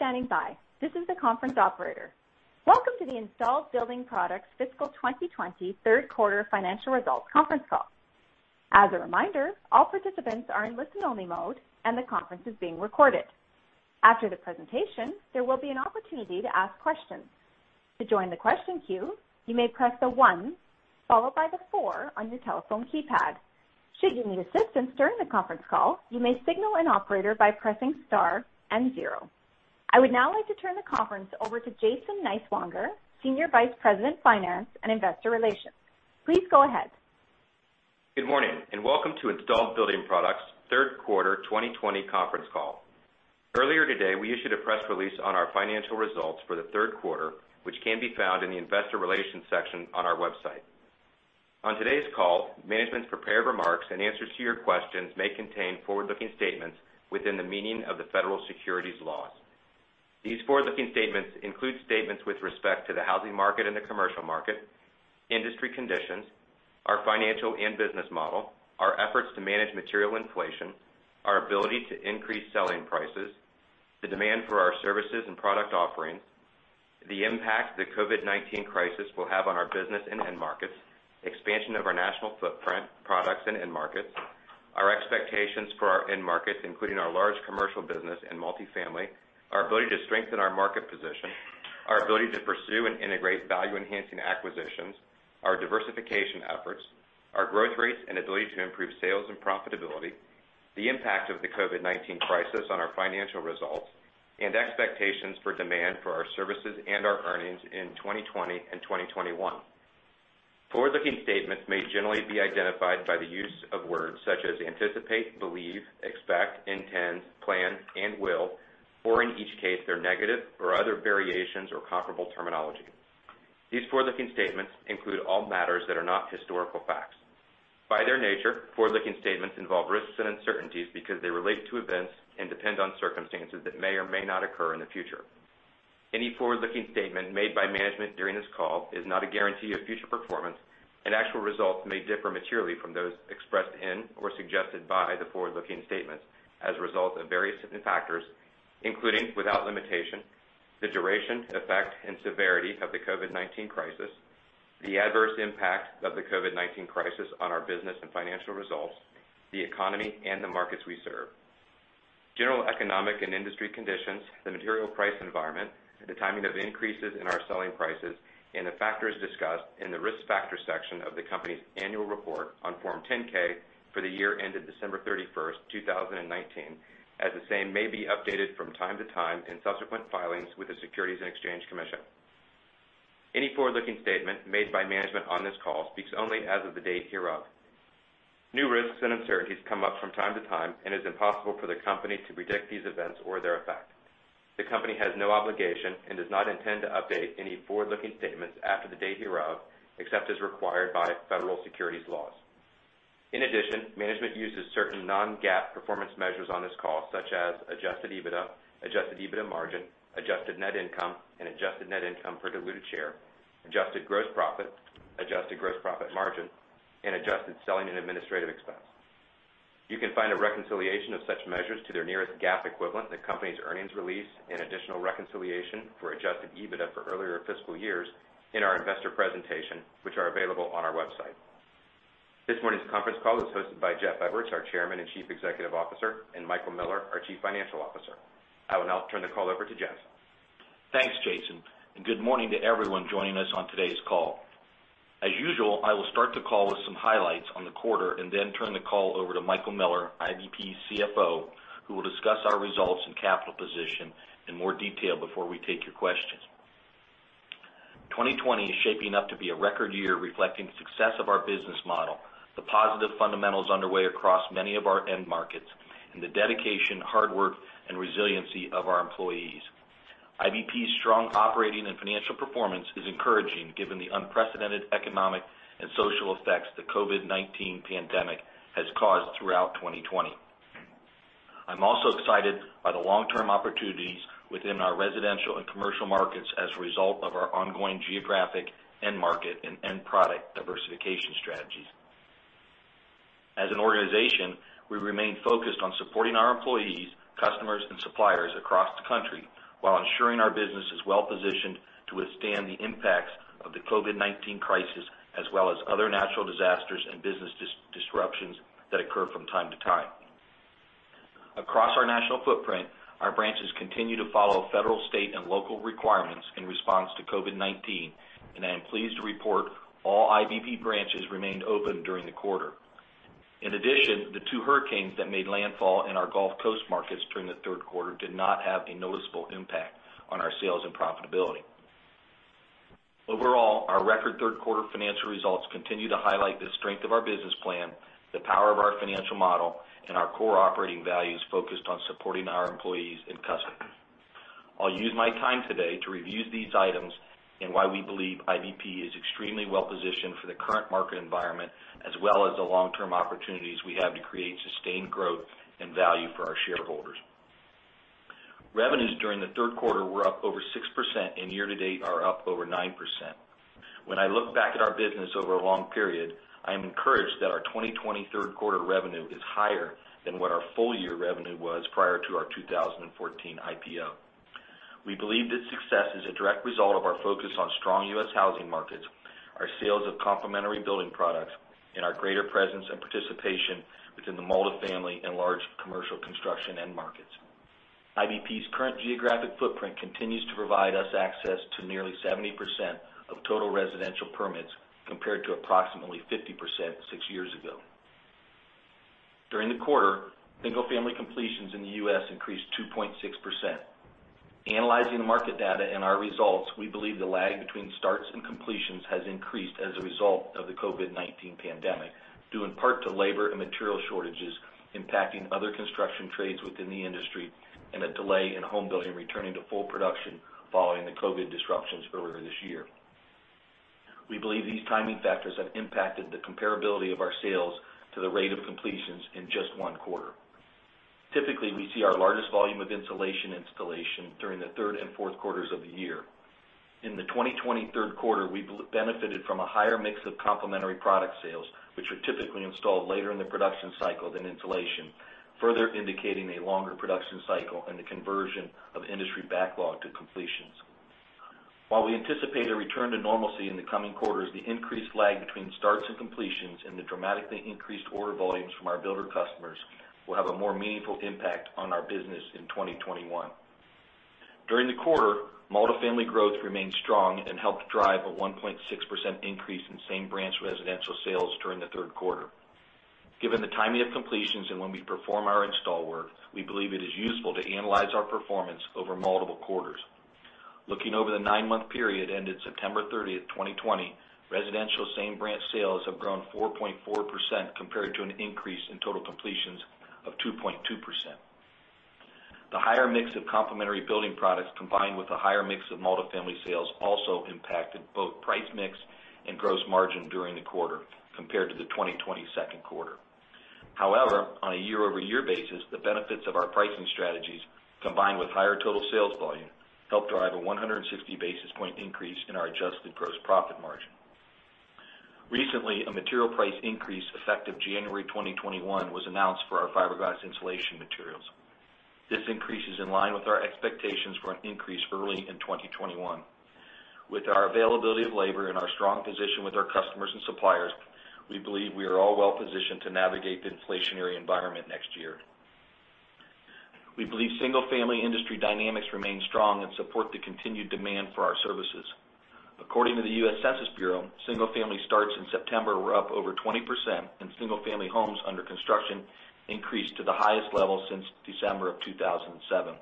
Thank you for standing by. This is the conference operator. Welcome to the Installed Building Products Fiscal 2020 Third Quarter Financial Results Conference Call. As a reminder, all participants are in listen-only mode, and the conference is being recorded. After the presentation, there will be an opportunity to ask questions. To join the question queue, you may press 1 followed by 4 on your telephone keypad. Should you need assistance during the conference call, you may signal an operator by pressing star and zero. I would now like to turn the conference over to Jason Niswonger, Senior Vice President, Finance and Investor Relations. Please go ahead. Good morning, and welcome to Installed Building Products' Q3 2020 conference call. Earlier today, we issued a press release on our financial results for the Q3, which can be found in the Investor Relations section on our website. On today's call, management's prepared remarks and answers to your questions may contain forward-looking statements within the meaning of the federal securities laws. These forward-looking statements include statements with respect to the housing market and the commercial market, industry conditions, our financial and business model, our efforts to manage material inflation, our ability to increase selling prices, the demand for our services and product offerings, the impact the COVID-19 crisis will have on our business and end markets, expansion of our national footprint, products and end markets, our expectations for our end markets, including our large commercial business and multifamily, our ability to strengthen our market position, our ability to pursue and integrate value-enhancing acquisitions, our diversification efforts, our growth rates, and ability to improve sales and profitability, the impact of the COVID-19 crisis on our financial results, and expectations for demand for our services and our earnings in 2020 and 2021. Forward-looking statements may generally be identified by the use of words such as anticipate, believe, expect, intend, plan, and will, or in each case, their negative or other variations or comparable terminology. These forward-looking statements include all matters that are not historical facts. By their nature, forward-looking statements involve risks and uncertainties because they relate to events and depend on circumstances that may or may not occur in the future. Any forward-looking statement made by management during this call is not a guarantee of future performance, and actual results may differ materially from those expressed in or suggested by the forward-looking statements as a result of various significant factors, including, without limitation, the duration, effect, and severity of the COVID-19 crisis, the adverse impact of the COVID-19 crisis on our business and financial results, the economy, and the markets we serve. General economic and industry conditions, the material price environment, the timing of increases in our selling prices, and the factors discussed in the Risk Factors section of the company's annual report on Form 10-K for the year ended December 31, 2019, as the same may be updated from time to time in subsequent filings with the Securities and Exchange Commission. Any forward-looking statement made by management on this call speaks only as of the date hereof. New risks and uncertainties come up from time to time and is impossible for the company to predict these events or their effect. The company has no obligation and does not intend to update any forward-looking statements after the date hereof, except as required by federal securities laws. In addition, management uses certain non-GAAP performance measures on this call, such as Adjusted EBITDA, Adjusted EBITDA margin, Adjusted Net Income, and Adjusted Net Income per Diluted Share, Adjusted Gross Profit, Adjusted Gross Profit Margin, and Adjusted Selling and Administrative Expense. You can find a reconciliation of such measures to their nearest GAAP equivalent in the company's earnings release and additional reconciliation for Adjusted EBITDA for earlier fiscal years in our investor presentation, which are available on our website. This morning's conference call is hosted by Jeff Edwards, our Chairman and Chief Executive Officer, and Michael Miller, our Chief Financial Officer. I will now turn the call over to Jeff. Thanks, Jason, and good morning to everyone joining us on today's call. As usual, I will start the call with some highlights on the quarter and then turn the call over to Michael Miller, IBP's CFO, who will discuss our results and capital position in more detail before we take your questions. 2020 is shaping up to be a record year, reflecting the success of our business model, the positive fundamentals underway across many of our end markets, and the dedication, hard work, and resiliency of our employees. IBP's strong operating and financial performance is encouraging, given the unprecedented economic and social effects the COVID-19 pandemic has caused throughout 2020. I'm also excited by the long-term opportunities within our residential and commercial markets as a result of our ongoing geographic, end market, and end product diversification strategies. As an organization, we remain focused on supporting our employees, customers, and suppliers across the country while ensuring our business is well-positioned to withstand the impacts of the COVID-19 crisis, as well as other natural disasters and business disruptions that occur from time to time. Across our national footprint, our branches continue to follow federal, state, and local requirements in response to COVID-19, and I am pleased to report all IBP branches remained open during the quarter. In addition, the two hurricanes that made landfall in our Gulf Coast markets during the Q3 did not have a noticeable impact on our sales and profitability. Overall, our record third-quarter financial results continue to highlight the strength of our business plan, the power of our financial model, and our core operating values focused on supporting our employees and customers. I'll use my time today to review these items and why we believe IBP is extremely well-positioned for the current market environment, as well as the long-term opportunities we have to create sustained growth and value for our shareholders. Revenues during the Q3 were up over 6% and year to date are up over 9%. When I look back at our business over a long period, I am encouraged that our 2020 Q3 revenue is higher than what our full-year revenue was prior to our 2014 IPO. We believe this success is a direct result of our focus on strong U.S. housing markets, our sales of complementary building products, and our greater presence and participation within the multifamily and large commercial construction end markets. IBP's current geographic footprint continues to provide us access to nearly 70% of total residential permits, compared to approximately 50% six years ago. During the quarter, single-family completions in the U.S. increased 2.6%. Analyzing the market data and our results, we believe the lag between starts and completions has increased as a result of the COVID-19 pandemic, due in part to labor and material shortages impacting other construction trades within the industry, and a delay in home building returning to full production following the COVID disruptions earlier this year. We believe these timing factors have impacted the comparability of our sales to the rate of completions in just one quarter. Typically, we see our largest volume of insulation installation during the third and fourth quarters of the year. In the 2020 Q3, we benefited from a higher mix of complementary product sales, which are typically installed later in the production cycle than insulation, further indicating a longer production cycle and the conversion of industry backlog to completions. While we anticipate a return to normalcy in the coming quarters, the increased lag between starts and completions and the dramatically increased order volumes from our builder customers will have a more meaningful impact on our business in 2021. During the quarter, multifamily growth remained strong and helped drive a 1.6% increase in same branch residential sales during the Q3. Given the timing of completions and when we perform our install work, we believe it is useful to analyze our performance over multiple quarters. Looking over the nine-month period ended September 30, 2020, residential same branch sales have grown 4.4% compared to an increase in total completions of 2.2%. The higher mix of complementary building products, combined with a higher mix of multifamily sales, also impacted both price mix and gross margin during the quarter compared to the 2020 Q2. However, on a year-over-year basis, the benefits of our pricing strategies, combined with higher total sales volume, helped drive a 160 basis point increase in our Adjusted Gross Profit Margin. Recently, a material price increase, effective January 2021, was announced for our fiberglass insulation materials. This increase is in line with our expectations for an increase early in 2021. With our availability of labor and our strong position with our customers and suppliers, we believe we are all well positioned to navigate the inflationary environment next year. We believe single-family industry dynamics remain strong and support the continued demand for our services. According to the U.S. Census Bureau, single-family starts in September were up over 20%, and single-family homes under construction increased to the highest level since December 2007.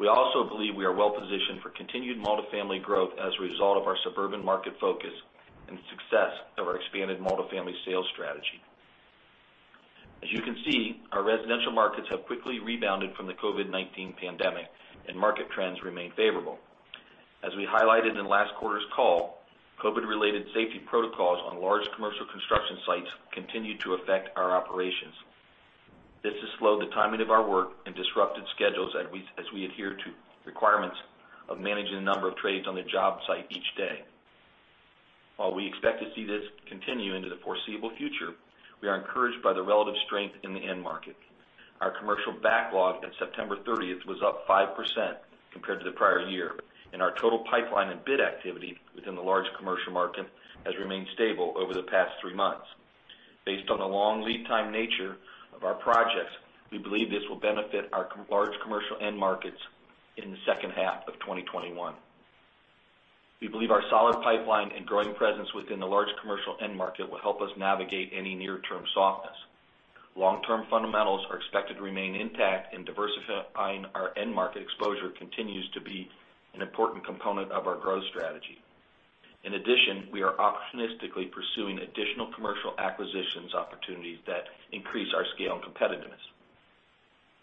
We also believe we are well positioned for continued multifamily growth as a result of our suburban market focus and the success of our expanded multifamily sales strategy. As you can see, our residential markets have quickly rebounded from the COVID-19 pandemic, and market trends remain favorable. As we highlighted in last quarter's call, COVID-related safety protocols on large commercial construction sites continue to affect our operations. This has slowed the timing of our work and disrupted schedules as we adhere to requirements of managing the number of trades on the job site each day. While we expect to see this continue into the foreseeable future, we are encouraged by the relative strength in the end market. Our commercial backlog at September 30th was up 5% compared to the prior year, and our total pipeline and bid activity within the large commercial market has remained stable over the past 3 months. Based on the long lead time nature of our projects, we believe this will benefit our large commercial end markets in the second half of 2021. We believe our solid pipeline and growing presence within the large commercial end market will help us navigate any near-term softness. Long-term fundamentals are expected to remain intact, and diversifying our end market exposure continues to be an important component of our growth strategy. In addition, we are opportunistically pursuing additional commercial acquisitions opportunities that increase our scale and competitiveness.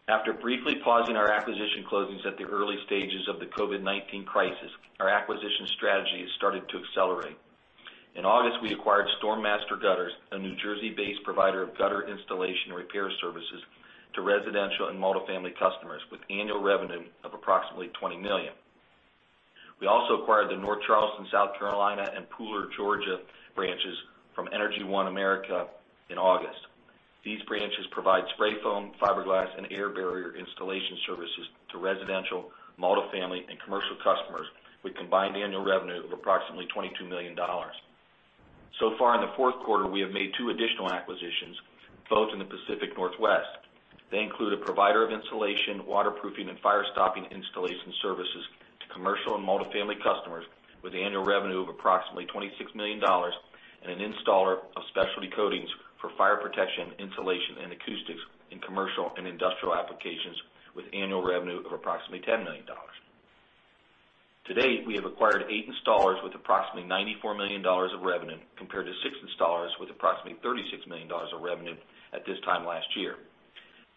After briefly pausing our acquisition closings at the early stages of the COVID-19 crisis, our acquisition strategy has started to accelerate. In August, we acquired Storm Master Gutters, a New Jersey-based provider of gutter installation and repair services to residential and multifamily customers, with annual revenue of approximately $20 million. We also acquired the North Charleston, South Carolina, and Pooler, Georgia, branches from Energy One America in August. These branches provide spray foam, fiberglass, and air barrier installation services to residential, multifamily, and commercial customers, with combined annual revenue of approximately $22 million. So far in the Q4, we have made two additional acquisitions, both in the Pacific Northwest. They include a provider of insulation, waterproofing, and firestopping installation services to commercial and multifamily customers, with annual revenue of approximately $26 million, and an installer of specialty coatings for fire protection, insulation, and acoustics in commercial and industrial applications, with annual revenue of approximately $10 million. To date, we have acquired 8 installers with approximately $94 million of revenue, compared to 6 installers with approximately $36 million of revenue at this time last year.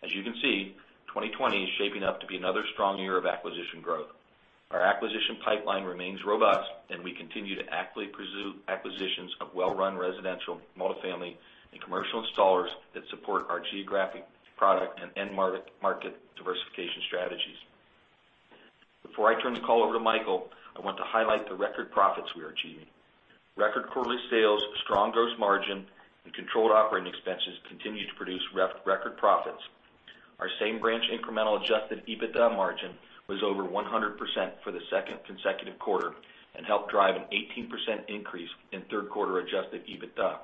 As you can see, 2020 is shaping up to be another strong year of acquisition growth. Our acquisition pipeline remains robust, and we continue to actively pursue acquisitions of well-run residential, multifamily, and commercial installers that support our geographic product and end market, market diversification strategies. Before I turn the call over to Michael, I want to highlight the record profits we are achieving. Record quarterly sales, strong gross margin, and controlled operating expenses continue to produce record profits. Our same branch incremental Adjusted EBITDA margin was over 100% for the second consecutive quarter and helped drive an 18% increase in Q3 Adjusted EBITDA.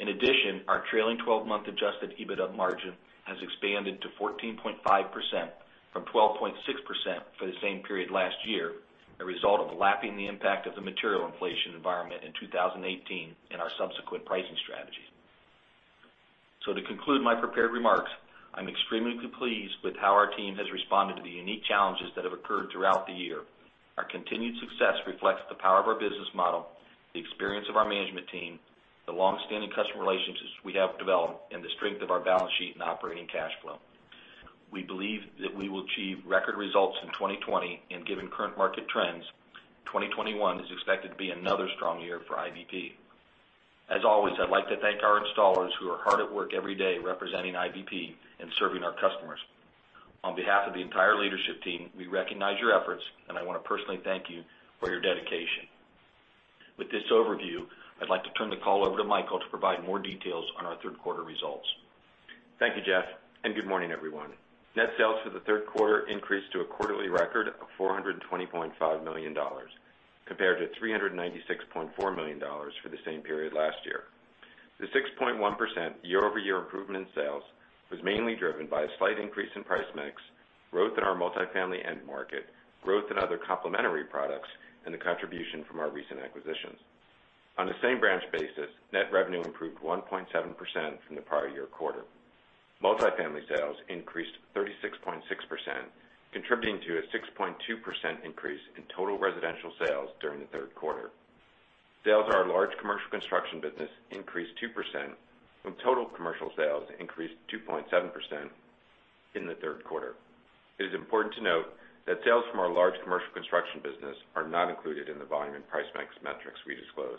In addition, our trailing twelve-month Adjusted EBITDA margin has expanded to 14.5% from 12.6% for the same period last year, a result of lapping the impact of the material inflation environment in 2018 and our subsequent pricing strategies. To conclude my prepared remarks, I'm extremely pleased with how our team has responded to the unique challenges that have occurred throughout the year. Our continued success reflects the power of our business model, the experience of our management team, the long-standing customer relationships we have developed, and the strength of our balance sheet and operating cash flow. We believe that we will achieve record results in 2020, and given current market trends, 2021 is expected to be another strong year for IBP. As always, I'd like to thank our installers, who are hard at work every day representing IBP and serving our customers. On behalf of the entire leadership team, we recognize your efforts, and I want to personally thank you for your dedication. With this overview, I'd like to turn the call over to Michael to provide more details on our Q3 results. Thank you, Jeff, and good morning, everyone. Net sales for the Q3 increased to a quarterly record of $420.5 million, compared to $396.4 million for the same period last year. The 6.1% year-over-year improvement in sales was mainly driven by a slight increase in price mix, growth in our multifamily end market, growth in other complementary products, and the contribution from our recent acquisitions. On a same branch basis, net revenue improved 1.7% from the prior year quarter. Multifamily sales increased 36.6%, contributing to a 6.2% increase in total residential sales during the Q3. Sales at our large commercial construction business increased 2%, and total commercial sales increased 2.7% in the Q3. It is important to note that sales from our large commercial construction business are not included in the volume and price mix metrics we disclose.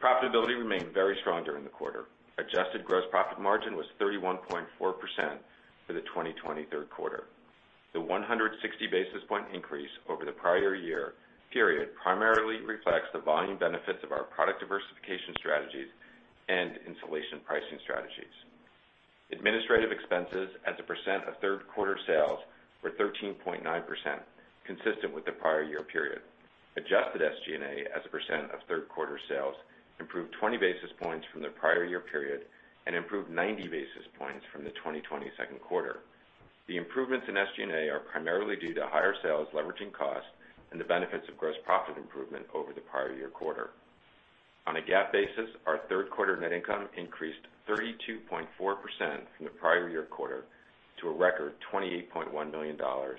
Profitability remained very strong during the quarter. Adjusted Gross Profit Margin was 31.4% for the 2020 Q3. The 160 basis point increase over the prior year period primarily reflects the volume benefits of our product diversification strategies and insulation pricing strategies. Administrative expenses as a percent of Q3 sales were 13.9%, consistent with the prior year period. Adjusted SG&A as a percent of Q3 sales improved 20 basis points from the prior year period and improved 90 basis points from the 2020 Q2. The improvements in SG&A are primarily due to higher sales, leveraging costs, and the benefits of gross profit improvement over the prior year quarter. On a GAAP basis, our Q3 net income increased 32.4% from the prior year quarter to a record $28.1 million, or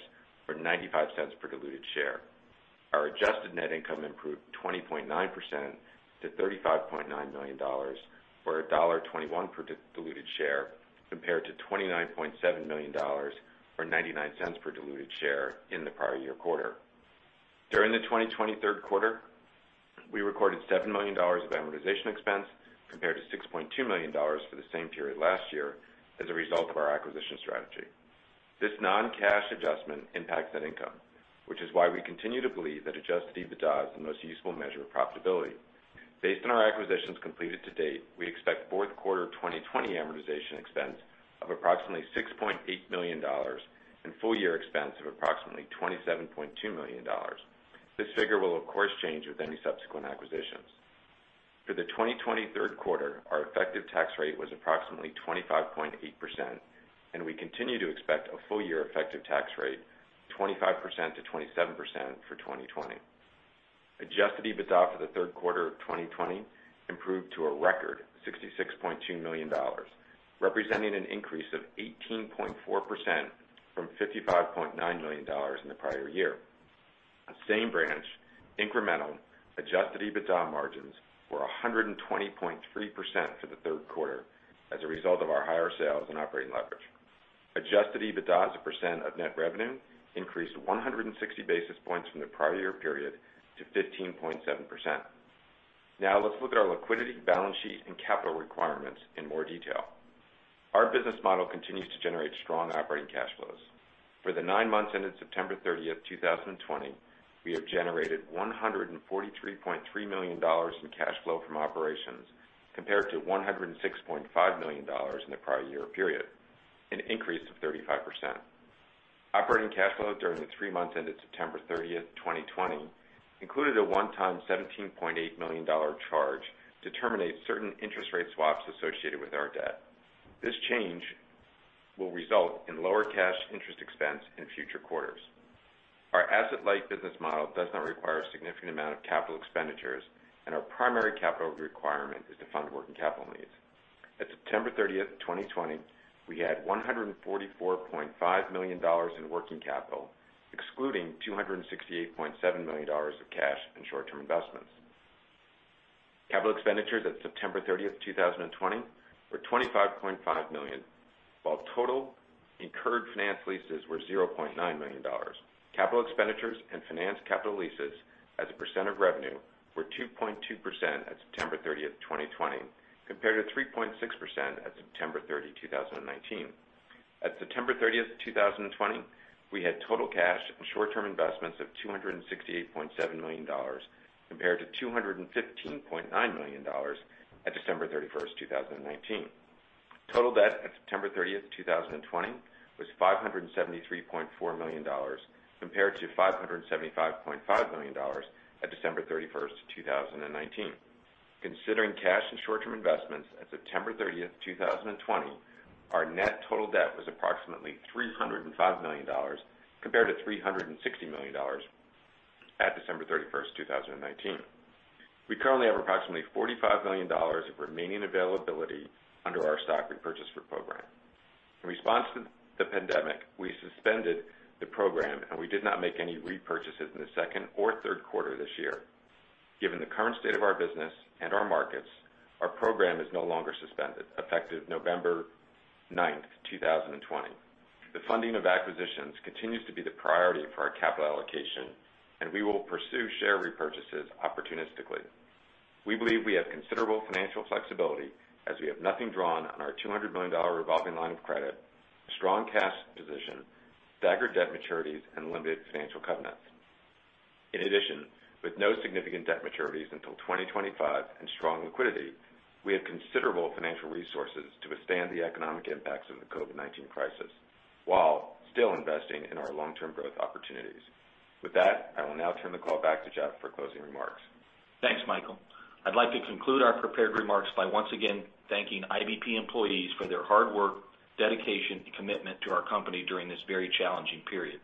$0.95 per Diluted Share. Our Adjusted Net Income improved 20.9% to $35.9 million, or $1.21 per Diluted Share, compared to $29.7 million, or $0.99 per Diluted Share in the prior year quarter. During the 2020 Q3, we recorded $7 million of amortization expense, compared to $6.2 million for the same period last year as a result of our acquisition strategy. This non-cash adjustment impacts net income, which is why we continue to believe that Adjusted EBITDA is the most useful measure of profitability. Based on our acquisitions completed to date, we expect Q4 of 2020 amortization expense of approximately $6.8 million and full year expense of approximately $27.2 million. This figure will, of course, change with any subsequent acquisitions. For the Q3 of 2020, our effective tax rate was approximately 25.8%, and we continue to expect a full year effective tax rate of 25%-27% for 2020. Adjusted EBITDA for the Q3 of 2020 improved to a record $66.2 million, representing an increase of 18.4% from $55.9 million in the prior year. Same branch incremental Adjusted EBITDA margins were 120.3% for the Q3 as a result of our higher sales and operating leverage. Adjusted EBITDA as a percent of net revenue increased 160 basis points from the prior year period to 15.7%. Now, let's look at our liquidity, balance sheet, and capital requirements in more detail. Our business model continues to generate strong operating cash flows. For the nine months ended September 30, 2020, we have generated $143.3 million in cash flow from operations, compared to $106.5 million in the prior year period, an increase of 35%. Operating cash flow during the three months ended September 30, 2020, included a one-time $17.8 million charge to terminate certain interest rate swaps associated with our debt. This change will result in lower cash interest expense in future quarters. Our asset-light business model does not require a significant amount of capital expenditures, and our primary capital requirement is to fund working capital needs. At September 30, 2020, we had $144.5 million in working capital, excluding $268.7 million of cash and short-term investments. Capital expenditures at September 30, 2020, were $25.5 million, while total incurred finance leases were $0.9 million. Capital expenditures and finance capital leases as a percent of revenue were 2.2% at September 30, 2020, compared to 3.6% at September 30, 2019. At September 30, 2020, we had total cash and short-term investments of $268.7 million, compared to $215.9 million at December 31, 2019. Total debt at September 30, 2020 was $573.4 million, compared to $575.5 million at December 31, 2019. Considering cash and short-term investments at September 30, 2020, our net total debt was approximately $305 million, compared to $360 million at December 31, 2019. We currently have approximately $45 million of remaining availability under our stock repurchase program. In response to the pandemic, we suspended the program, and we did not make any repurchases in the second or Q3 this year. Given the current state of our business and our markets, our program is no longer suspended, effective November 9, 2020. The funding of acquisitions continues to be the priority for our capital allocation, and we will pursue share repurchases opportunistically. We believe we have considerable financial flexibility as we have nothing drawn on our $200 million revolving line of credit, strong cash position, staggered debt maturities, and limited financial covenants. In addition, with no significant debt maturities until 2025 and strong liquidity, we have considerable financial resources to withstand the economic impacts of the COVID-19 crisis, while still investing in our long-term growth opportunities. With that, I will now turn the call back to Jeff for closing remarks. Thanks, Michael. I'd like to conclude our prepared remarks by once again thanking IBP employees for their hard work, dedication, and commitment to our company during this very challenging period.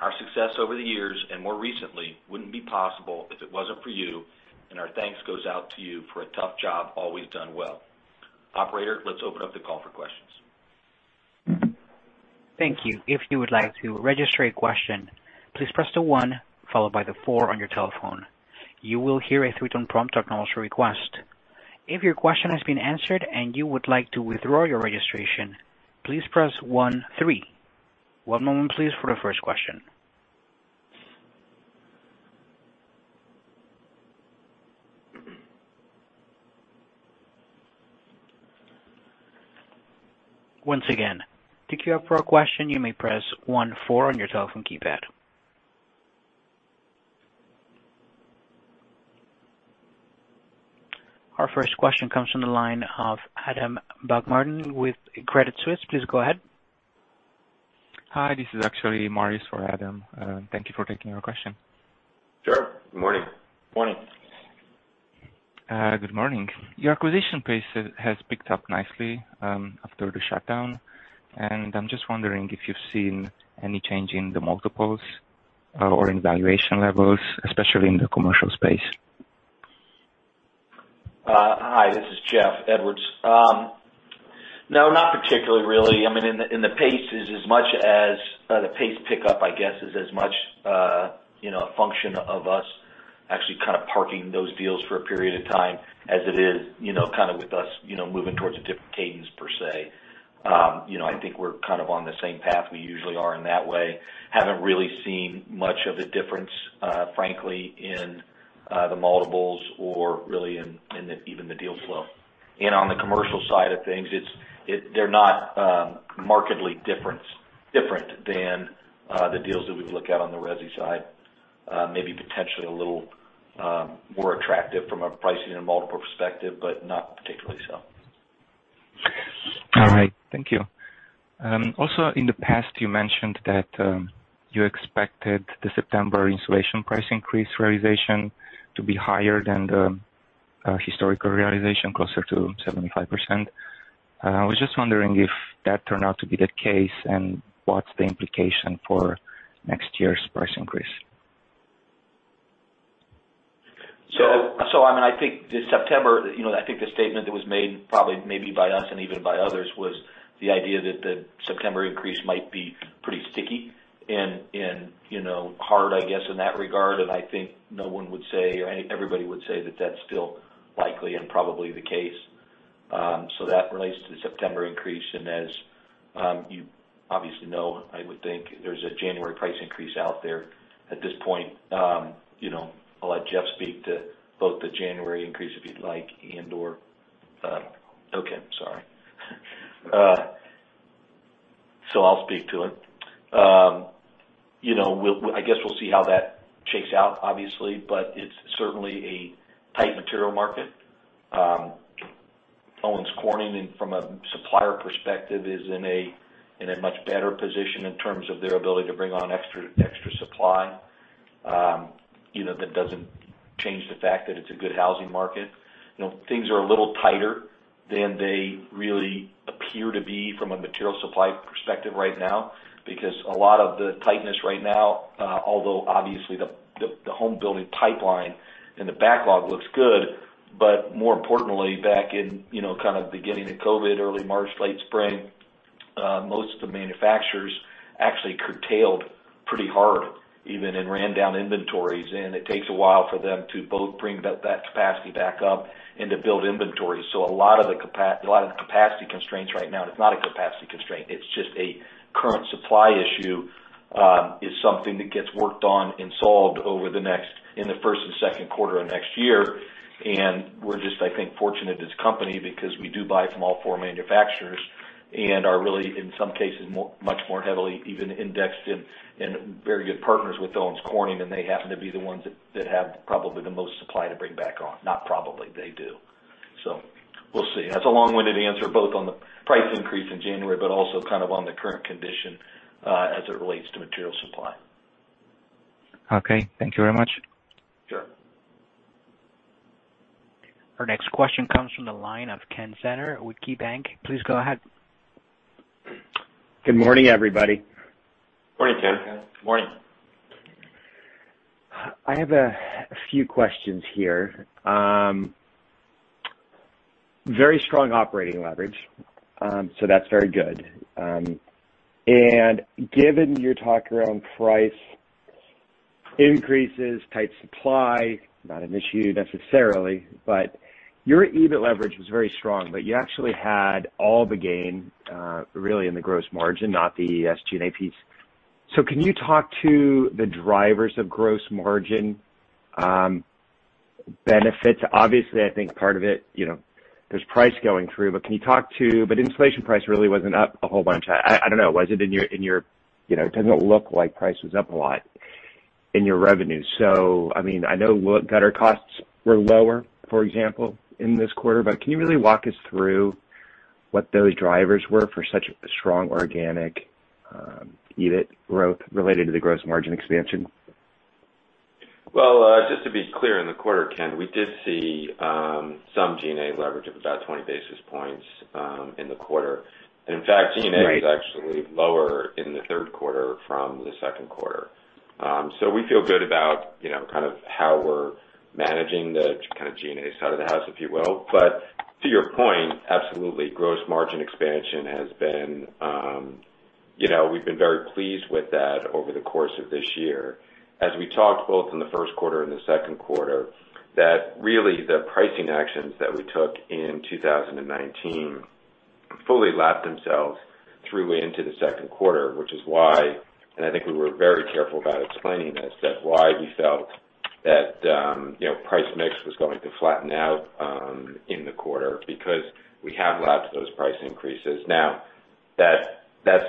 Our success over the years, and more recently, wouldn't be possible if it wasn't for you, and our thanks goes out to you for a tough job always done well. Operator, let's open up the call for questions. Thank you. If you would like to register a question, please press the one followed by the four on your telephone. You will hear a 3-tone prompt to acknowledge your request. If your question has been answered and you would like to withdraw your registration, please press one three. One moment, please, for the first question. Once again, to queue up for a question, you may press one four on your telephone keypad. Our first question comes from the line of Adam Baumgarten with Credit Suisse. Please go ahead. Hi, this is actually Maurice for Adam. Thank you for taking our question. Sure. Good morning. Morning. Good morning. Your acquisition pace has picked up nicely, after the shutdown, and I'm just wondering if you've seen any change in the multiples, or in valuation levels, especially in the commercial space? Hi, this is Jeff Edwards. No, not particularly, really. I mean, in the pace is as much as the pace pickup, I guess, is as much, you know, a function of us actually kind of parking those deals for a period of time as it is, you know, kind of with us, you know, moving towards a different cadence per se. You know, I think we're kind of on the same path we usually are in that way. Haven't really seen much of a difference, frankly, in the multiples or really in even the deal flow. And on the commercial side of things, it's -- they're not markedly different than the deals that we've looked at on the resi side. Maybe potentially a little more attractive from a pricing and multiple perspective, but not particularly so. All right. Thank you. Also in the past, you mentioned that you expected the September insulation price increase realization to be higher than the historical realization, closer to 75%. I was just wondering if that turned out to be the case, and what's the implication for next year's price increase? So I mean, I think the September, you know, I think the statement that was made probably maybe by us and even by others, was the idea that the September increase might be pretty sticky and, you know, hard, I guess, in that regard. And I think no one would say, or everybody would say that that's still likely and probably the case. So that relates to the September increase. And as you obviously know, I would think there's a January price increase out there at this point. You know, I'll let Jeff speak to both the January increase, if you'd like, and/or... Okay, sorry. So I'll speak to it. You know, we'll, I guess we'll see how that shakes out, obviously, but it's certainly a tight material market. Owens Corning, and from a supplier perspective, is in a much better position in terms of their ability to bring on extra, extra supply. You know, that doesn't change the fact that it's a good housing market. You know, things are a little tighter than they really appear to be from a material supply perspective right now, because a lot of the tightness right now, although obviously the home building pipeline and the backlog looks good, but more importantly, back in, you know, kind of beginning of COVID, early March, late spring, most of the manufacturers actually curtailed pretty hard, even and ran down inventories, and it takes a while for them to both bring that capacity back up and to build inventory. So a lot of the capacity constraints right now, it's not a capacity constraint, it's just a current supply issue, is something that gets worked on and solved over the next, in the first and Q2 of next year. And we're just, I think, fortunate as a company because we do buy from all four manufacturers and are really, in some cases, more, much more heavily even indexed in, and very good partners with Owens Corning, and they happen to be the ones that have probably the most supply to bring back on. Not probably, they do. So we'll see. That's a long-winded answer, both on the price increase in January, but also kind of on the current condition, as it relates to material supply. Okay, thank you very much. Sure. Our next question comes from the line of Ken Zener with KeyBanc Capital Markets. Please go ahead. Good morning, everybody. Morning, Ken. Good morning. I have a few questions here. Very strong operating leverage, so that's very good. And given your talk around price increases, tight supply, not an issue necessarily, but your EBIT leverage was very strong, but you actually had all the gain, really in the gross margin, not the SG&A piece. So can you talk to the drivers of gross margin benefit? Obviously, I think part of it, you know, there's price going through. But inflation price really wasn't up a whole bunch. I don't know. Was it in your...? You know, it doesn't look like price was up a lot in your revenue. So, I mean, I know what gutter costs were lower, for example, in this quarter, but can you really walk us through what those drivers were for such a strong organic, EBIT growth related to the gross margin expansion? Well, just to be clear, in the quarter, Ken, we did see some G&A leverage of about 20 basis points in the quarter. And in fact, G&A- Right... was actually lower in the Q3 from the Q2. So we feel good about, you know, kind of how we're managing the kind of G&A side of the house, if you will. But to your point, absolutely, gross margin expansion has been, you know, we've been very pleased with that over the course of this year. As we talked both in the Q1 and the Q2, that really, the pricing actions that we took in 2019 fully lapped themselves through into the Q2, which is why, and I think we were very careful about explaining this, that why we felt that, you know, price mix was going to flatten out, in the quarter because we have lapped those price increases. Now, that's, that's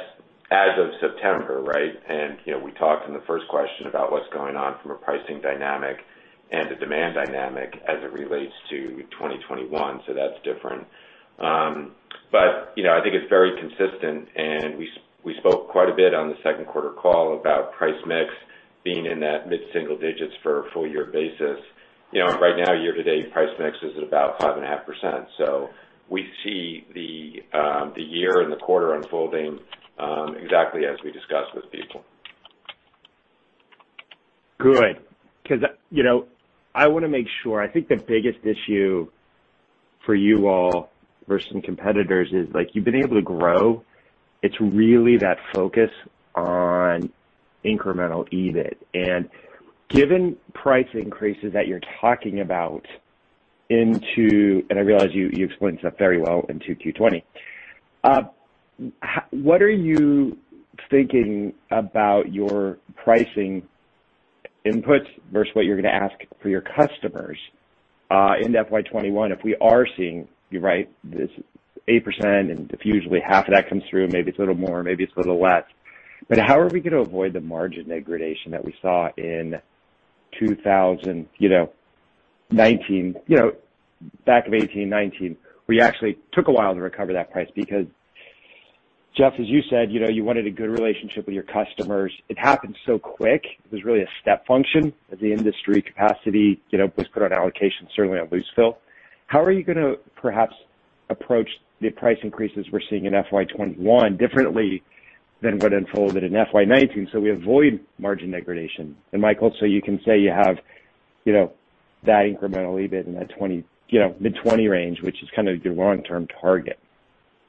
as of September, right? And, you know, we talked in the first question about what's going on from a pricing dynamic and the demand dynamic as it relates to 2021, so that's different. But, you know, I think it's very consistent, and we spoke quite a bit on the Q2 call about price mix being in that mid-single digits for a full year basis. You know, right now, year-to-date, price mix is about 5.5%. So we see the, the year and the quarter unfolding, exactly as we discussed with people. Good. Because, you know, I wanna make sure. I think the biggest issue for you all versus some competitors is, like, you've been able to grow. It's really that focus on incremental EBIT. And given price increases that you're talking about into 2020. And I realize you explained stuff very well into 2020. What are you thinking about your pricing inputs versus what you're gonna ask for your customers in FY 2021? If we are seeing, you're right, this 8%, and if usually half of that comes through, maybe it's a little more, maybe it's a little less. But how are we gonna avoid the margin degradation that we saw in 2019, you know, back in 2018, 2019, where you actually took a while to recover that price? Because, Jeff, as you said, you know, you wanted a good relationship with your customers. It happened so quick. It was really a step function as the industry capacity, you know, was put on allocation, certainly on loose fill. How are you gonna perhaps approach the price increases we're seeing in FY 2021 differently than what unfolded in FY 2019, so we avoid margin degradation? And Michael, so you can say you have, you know, that incremental EBIT in that 20, you know, mid-20 range, which is kind of your long-term target.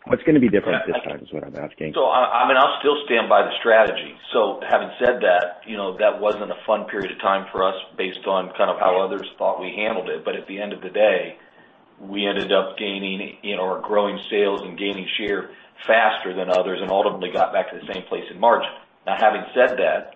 What's gonna be different this time, is what I'm asking? So, I mean, I'll still stand by the strategy. So having said that, you know, that wasn't a fun period of time for us based on kind of how others thought we handled it. But at the end of the day, we ended up gaining, you know, or growing sales and gaining share faster than others, and ultimately got back to the same place in March. Now, having said that,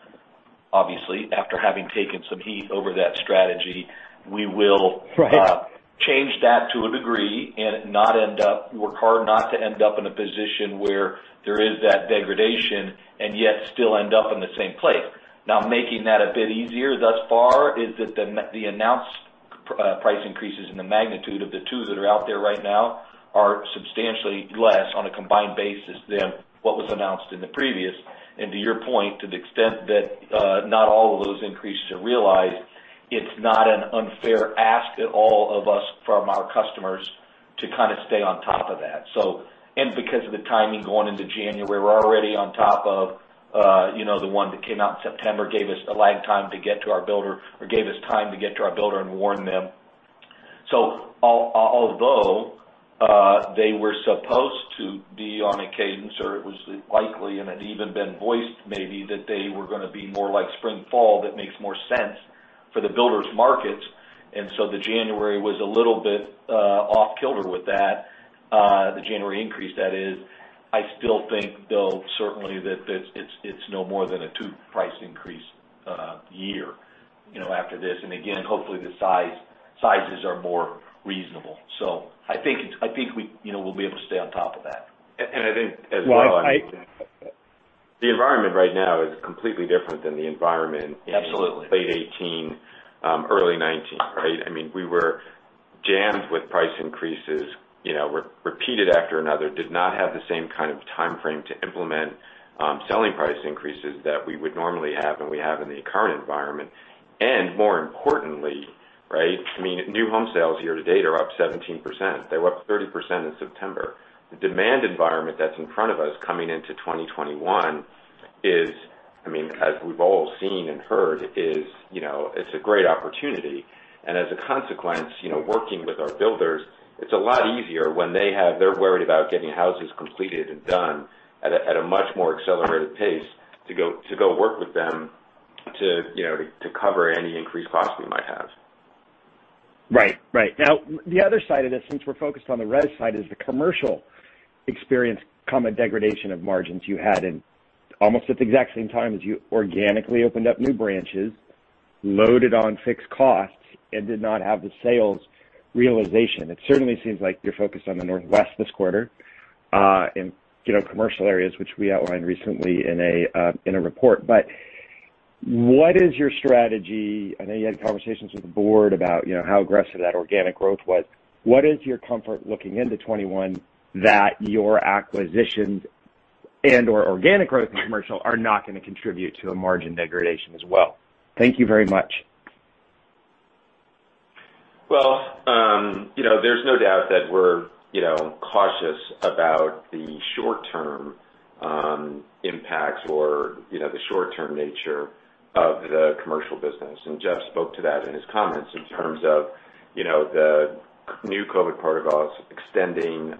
obviously, after having taken some heat over that strategy, we will- Right... change that to a degree and not end up, work hard not to end up in a position where there is that degradation and yet still end up in the same place. Now, making that a bit easier thus far is that the announced price increases and the magnitude of the two that are out there right now are substantially less on a combined basis than what was announced in the previous. And to your point, to the extent that, not all of those increases are realized, it's not an unfair ask at all of us from our customers to kind of stay on top of that, so. Because of the timing going into January, we're already on top of, you know, the one that came out in September, gave us the lag time to get to our builder, or gave us time to get to our builder and warn them. So although, they were supposed to be on a cadence, or it was likely and had even been voiced maybe, that they were gonna be more like spring fall, that makes more sense.... for the builders markets, and so the January was a little bit, off kilter with that, the January increase that is. I still think, though, certainly that it's, it's, it's no more than a two-price increase, year, you know, after this. And again, hopefully, the sizes are more reasonable. I think, I think we, you know, we'll be able to stay on top of that. I think as well, I mean, the environment right now is completely different than the environment in- Absolutely. Late 2018, early 2019, right? I mean, we were jammed with price increases, you know, repeated after another, did not have the same kind of timeframe to implement selling price increases that we would normally have, and we have in the current environment. And more importantly, right, I mean, new home sales year to date are up 17%. They were up 30% in September. The demand environment that's in front of us coming into 2021 is, I mean, as we've all seen and heard, is, you know, it's a great opportunity. As a consequence, you know, working with our builders, it's a lot easier when they have—they're worried about getting houses completed and done at a much more accelerated pace, to go, to go work with them to, you know, to, to cover any increased costs we might have. Right. Right. Now, the other side of this, since we're focused on the resi side, is the commercial experience, degradation of margins you had in almost at the exact same time as you organically opened up new branches, loaded on fixed costs and did not have the sales realization. It certainly seems like you're focused on the Northwest this quarter, in, you know, commercial areas, which we outlined recently in a report. But what is your strategy? I know you had conversations with the board about, you know, how aggressive that organic growth was. What is your comfort looking into 2021, that your acquisitions and/or organic growth in commercial are not going to contribute to a margin degradation as well? Thank you very much. Well, you know, there's no doubt that we're, you know, cautious about the short term impacts or, you know, the short-term nature of the commercial business. And Jeff spoke to that in his comments in terms of, you know, the new COVID protocols, extending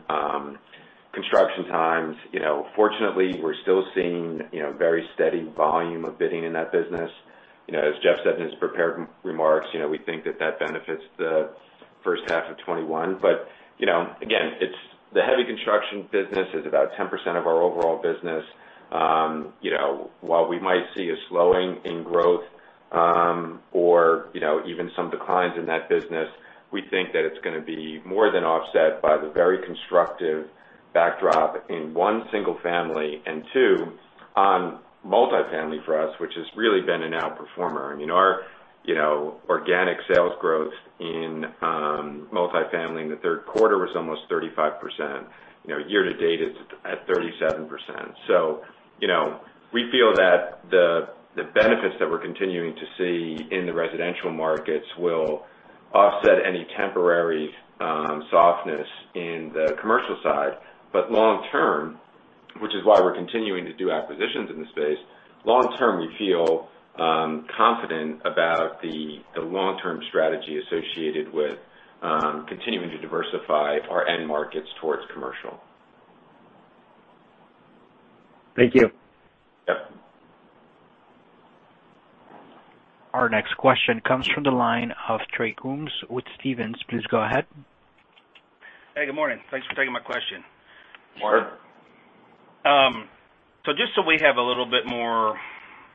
construction times. You know, fortunately, we're still seeing, you know, very steady volume of bidding in that business. You know, as Jeff said in his prepared remarks, you know, we think that that benefits the first half of 2021. But, you know, again, it's the heavy construction business is about 10% of our overall business. You know, while we might see a slowing in growth, or, you know, even some declines in that business, we think that it's going to be more than offset by the very constructive backdrop in one, single-family, and two, on multifamily for us, which has really been an outperformer. I mean, our, you know, organic sales growth in, multifamily in the Q3 was almost 35%. You know, year to date is at 37%. So, you know, we feel that the benefits that we're continuing to see in the residential markets will offset any temporary, softness in the commercial side. But long term, which is why we're continuing to do acquisitions in the space, long term, we feel, confident about the long-term strategy associated with, continuing to diversify our end markets towards commercial. Thank you. Yep. Our next question comes from the line of Trey Grooms with Stephens. Please go ahead. Hey, good morning. Thanks for taking my question. Good morning. So just so we have a little bit more,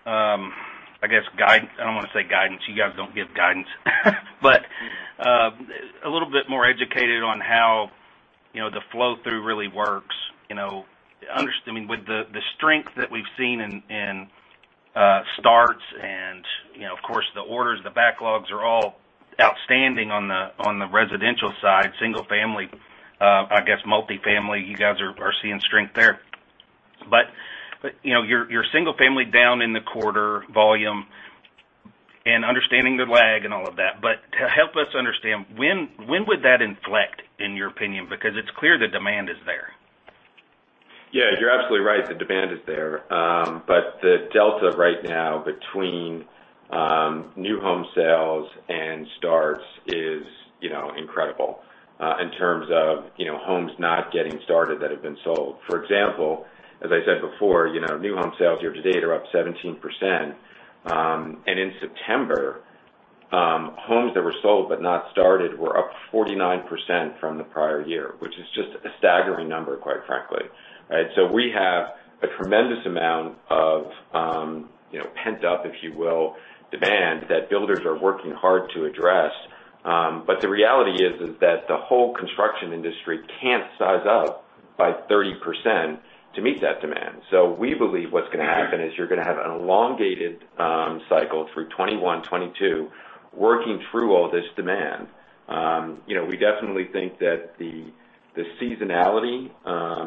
I guess, guidance, I don't want to say guidance. But a little bit more educated on how, you know, the flow-through really works. You know, I mean, with the strength that we've seen in starts and, you know, of course, the orders, the backlogs are all outstanding on the residential side, single-family. I guess multifamily, you guys are seeing strength there. But you know, your single-family down in the quarter volume and understanding the lag and all of that, but to help us understand, when would that inflect, in your opinion? Because it's clear the demand is there. Yeah, you're absolutely right, the demand is there. But the delta right now between, new home sales and starts is, you know, incredible, in terms of, you know, homes not getting started that have been sold. For example, as I said before, you know, new home sales year to date are up 17%. And in September, homes that were sold but not started were up 49% from the prior year, which is just a staggering number, quite frankly, right? So we have a tremendous amount of, you know, pent-up, if you will, demand that builders are working hard to address. But the reality is, is that the whole construction industry can't size up by 30% to meet that demand. So we believe what's going to happen is you're going to have an elongated cycle through 2021, 2022, working through all this demand. You know, we definitely think that the, the seasonality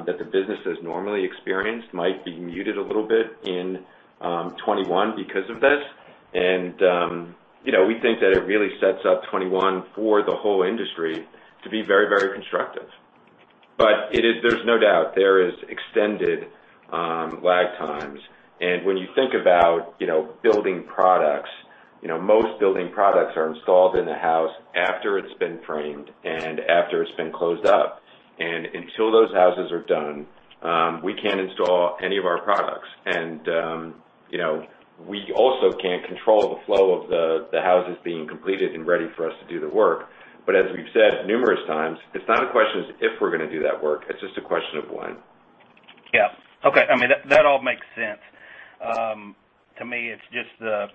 that the business has normally experienced might be muted a little bit in 2021 because of this. And you know, we think that it really sets up 2021 for the whole industry to be very, very constructive. But it is—there's no doubt, there is extended lag times. And when you think about, you know, building products, you know, most building products are installed in a house after it's been framed and after it's been closed up... and until those houses are done, we can't install any of our products. You know, we also can't control the flow of the houses being completed and ready for us to do the work. As we've said numerous times, it's not a question of if we're gonna do that work, it's just a question of when. Yeah. Okay. I mean, that, that all makes sense. To me, it's just the,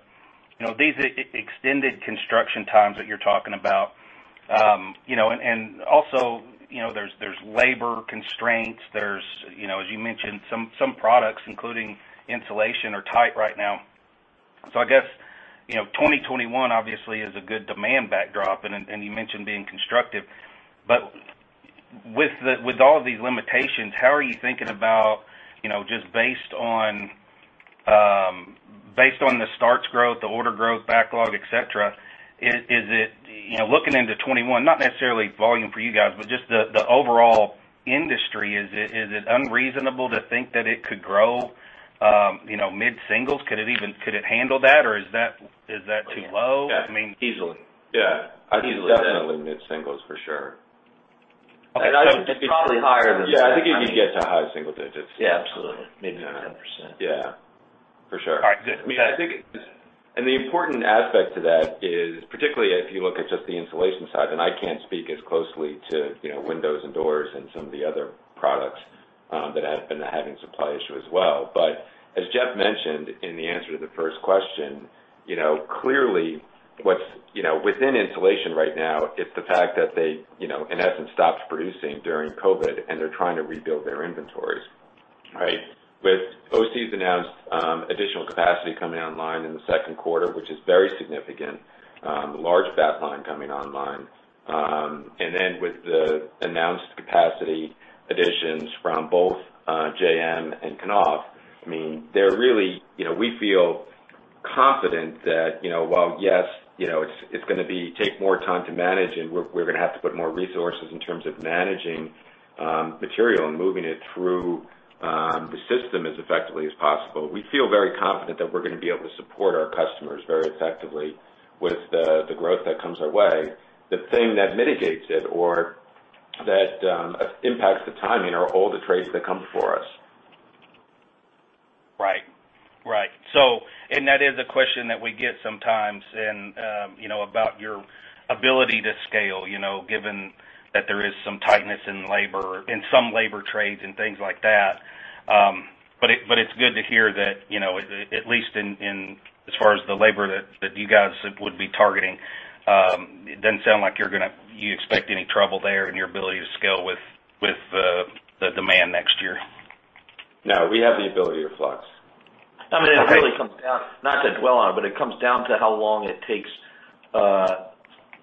you know, these extended construction times that you're talking about, you know, and, and also, you know, there's, there's labor constraints, there's, you know, as you mentioned, some, some products, including insulation, are tight right now. So I guess, you know, 2021 obviously is a good demand backdrop, and, and you mentioned being constructive. But with all of these limitations, how are you thinking about, you know, just based on, based on the starts growth, the order growth, backlog, et cetera, is, is it... You know, looking into 2021, not necessarily volume for you guys, but just the, the overall industry, is it, is it unreasonable to think that it could grow, you know, mid-singles? Could it handle that, or is that, is that too low? I mean- Yeah. Easily. Yeah. Easily. It's definitely mid-singles, for sure. I think it's probably higher than that. Yeah, I think it could get to high single digits. Yeah, absolutely. Maybe 10%. Yeah, for sure. All right, good. I mean, I think, and the important aspect to that is, particularly if you look at just the insulation side, and I can't speak as closely to, you know, windows and doors and some of the other products, that have been having supply issue as well. But as Jeff mentioned in the answer to the first question, you know, clearly, what's, you know, within insulation right now, it's the fact that they, you know, in essence, stopped producing during COVID, and they're trying to rebuild their inventories, right? With OC's announced, additional capacity coming online in the Q2, which is very significant, large baseline coming online. And then with the announced capacity additions from both, JM and Knauf, I mean, they're really... You know, we feel confident that, you know, while, yes, you know, it's gonna take more time to manage, and we're gonna have to put more resources in terms of managing material and moving it through the system as effectively as possible. We feel very confident that we're gonna be able to support our customers very effectively with the growth that comes our way. The thing that mitigates it or that impacts the timing are all the trades that come before us. Right. Right. And that is a question that we get sometimes and, you know, about your ability to scale, you know, given that there is some tightness in labor, in some labor trades and things like that. But it's good to hear that, you know, at least in, as far as the labor that you guys would be targeting, it doesn't sound like you're gonna you expect any trouble there in your ability to scale with the demand next year. No, we have the ability to flex. I mean, it really comes down, not to dwell on it, but it comes down to how long it takes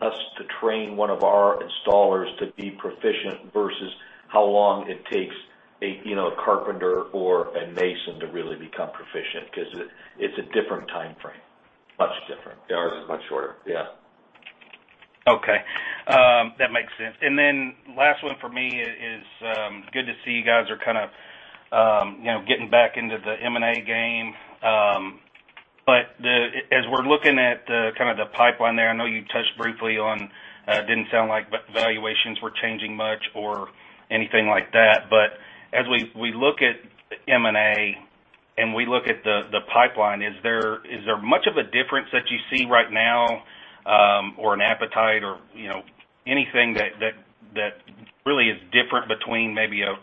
us to train one of our installers to be proficient versus how long it takes a, you know, a carpenter or a mason to really become proficient, because it, it's a different timeframe, much different. Ours is much shorter, yeah. Okay, that makes sense. And then last one for me is, good to see you guys are kind of, you know, getting back into the M&A game. But as we're looking at the, kind of the pipeline there, I know you touched briefly on, didn't sound like valuations were changing much or anything like that. But as we look at M&A, and we look at the pipeline, is there much of a difference that you see right now, or an appetite or, you know, anything that really is different between maybe a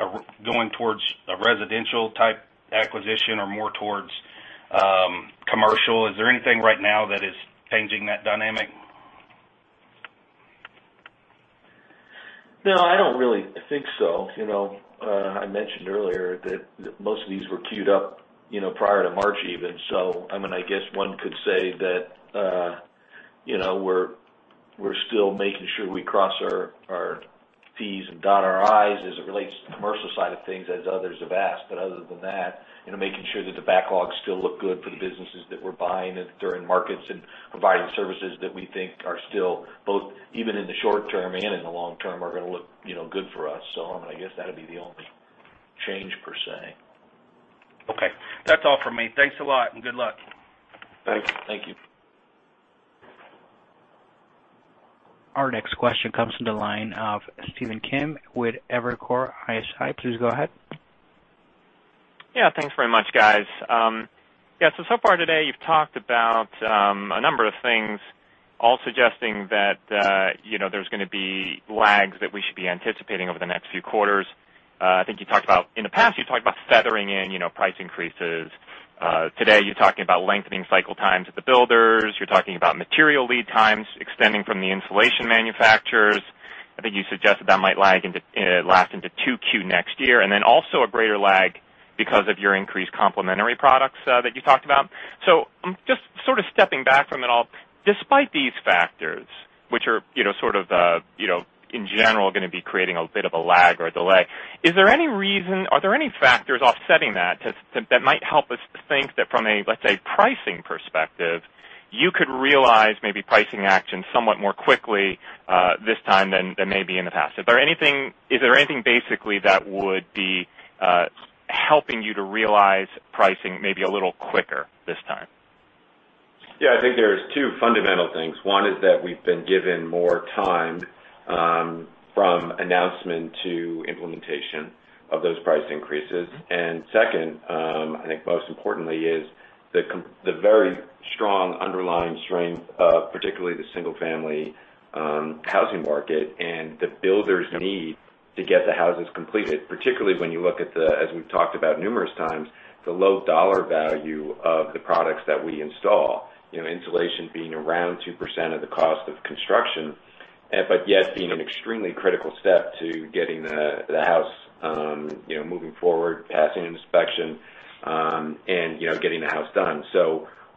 going towards a residential-type acquisition or more towards commercial? Is there anything right now that is changing that dynamic? No, I don't really think so. You know, I mentioned earlier that most of these were queued up, you know, prior to March even. So, I mean, I guess one could say that, you know, we're still making sure we cross our T's and dot our I's as it relates to the commercial side of things as others have asked. But other than that, you know, making sure that the backlogs still look good for the businesses that we're buying and during markets and providing services that we think are still both, even in the short term and in the long term, are gonna look, you know, good for us. So I guess that'd be the only change, per se. Okay. That's all for me. Thanks a lot, and good luck. Thanks. Thank you. Our next question comes from the line of Stephen Kim with Evercore ISI. Please go ahead. Yeah, thanks very much, guys. Yeah, so so far today, you've talked about a number of things, all suggesting that, you know, there's gonna be lags that we should be anticipating over the next few quarters. I think you talked about—in the past, you talked about feathering in, you know, price increases. Today, you're talking about lengthening cycle times at the builders. You're talking about material lead times extending from the insulation manufacturers. I think you suggested that might lag into last into 2Q next year, and then also a greater lag because of your increased complementary products that you talked about. So I'm just sort of stepping back from it all. Despite these factors, which are, you know, sort of, you know, in general, gonna be creating a bit of a lag or a delay, is there any reason, are there any factors offsetting that that might help us think that from a, let's say, pricing perspective, you could realize maybe pricing action somewhat more quickly, this time than maybe in the past? Is there anything, is there anything basically that would be helping you to realize pricing maybe a little quicker this time? Yeah, I think there's two fundamental things. One is that we've been given more time from announcement to implementation of those price increases. And second, I think most importantly, is the very strong underlying strength of particularly the single-family housing market and the builders' need to get the houses completed, particularly when you look at the, as we've talked about numerous times, the low dollar value of the products that we install. You know, insulation being around 2% of the cost of construction, but yet being an extremely critical step to getting the house moving forward, passing an inspection, and getting the house done.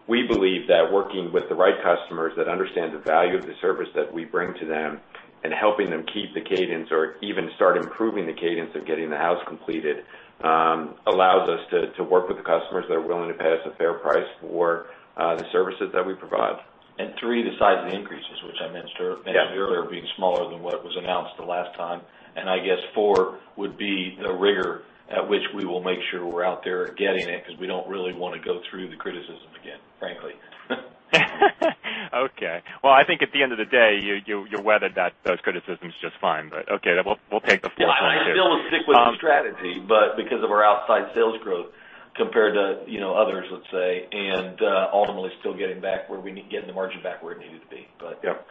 We believe that working with the right customers that understand the value of the service that we bring to them and helping them keep the cadence or even start improving the cadence of getting the house completed allows us to work with the customers that are willing to pay us a fair price for the services that we provide. And three, the size of the increases, which I mentioned ear- Yeah Earlier, being smaller than what was announced the last time. I guess four would be the rigor at which we will make sure we're out there getting it, because we don't really want to go through the criticism again, frankly. Okay. Well, I think at the end of the day, you weathered those criticisms just fine. But okay, then we'll take the fourth one, too. Yeah, I still stick with the strategy, but because of our outside sales growth compared to, you know, others, let's say, and ultimately still getting back where we need, getting the margin back where it needed to be. But- Yep.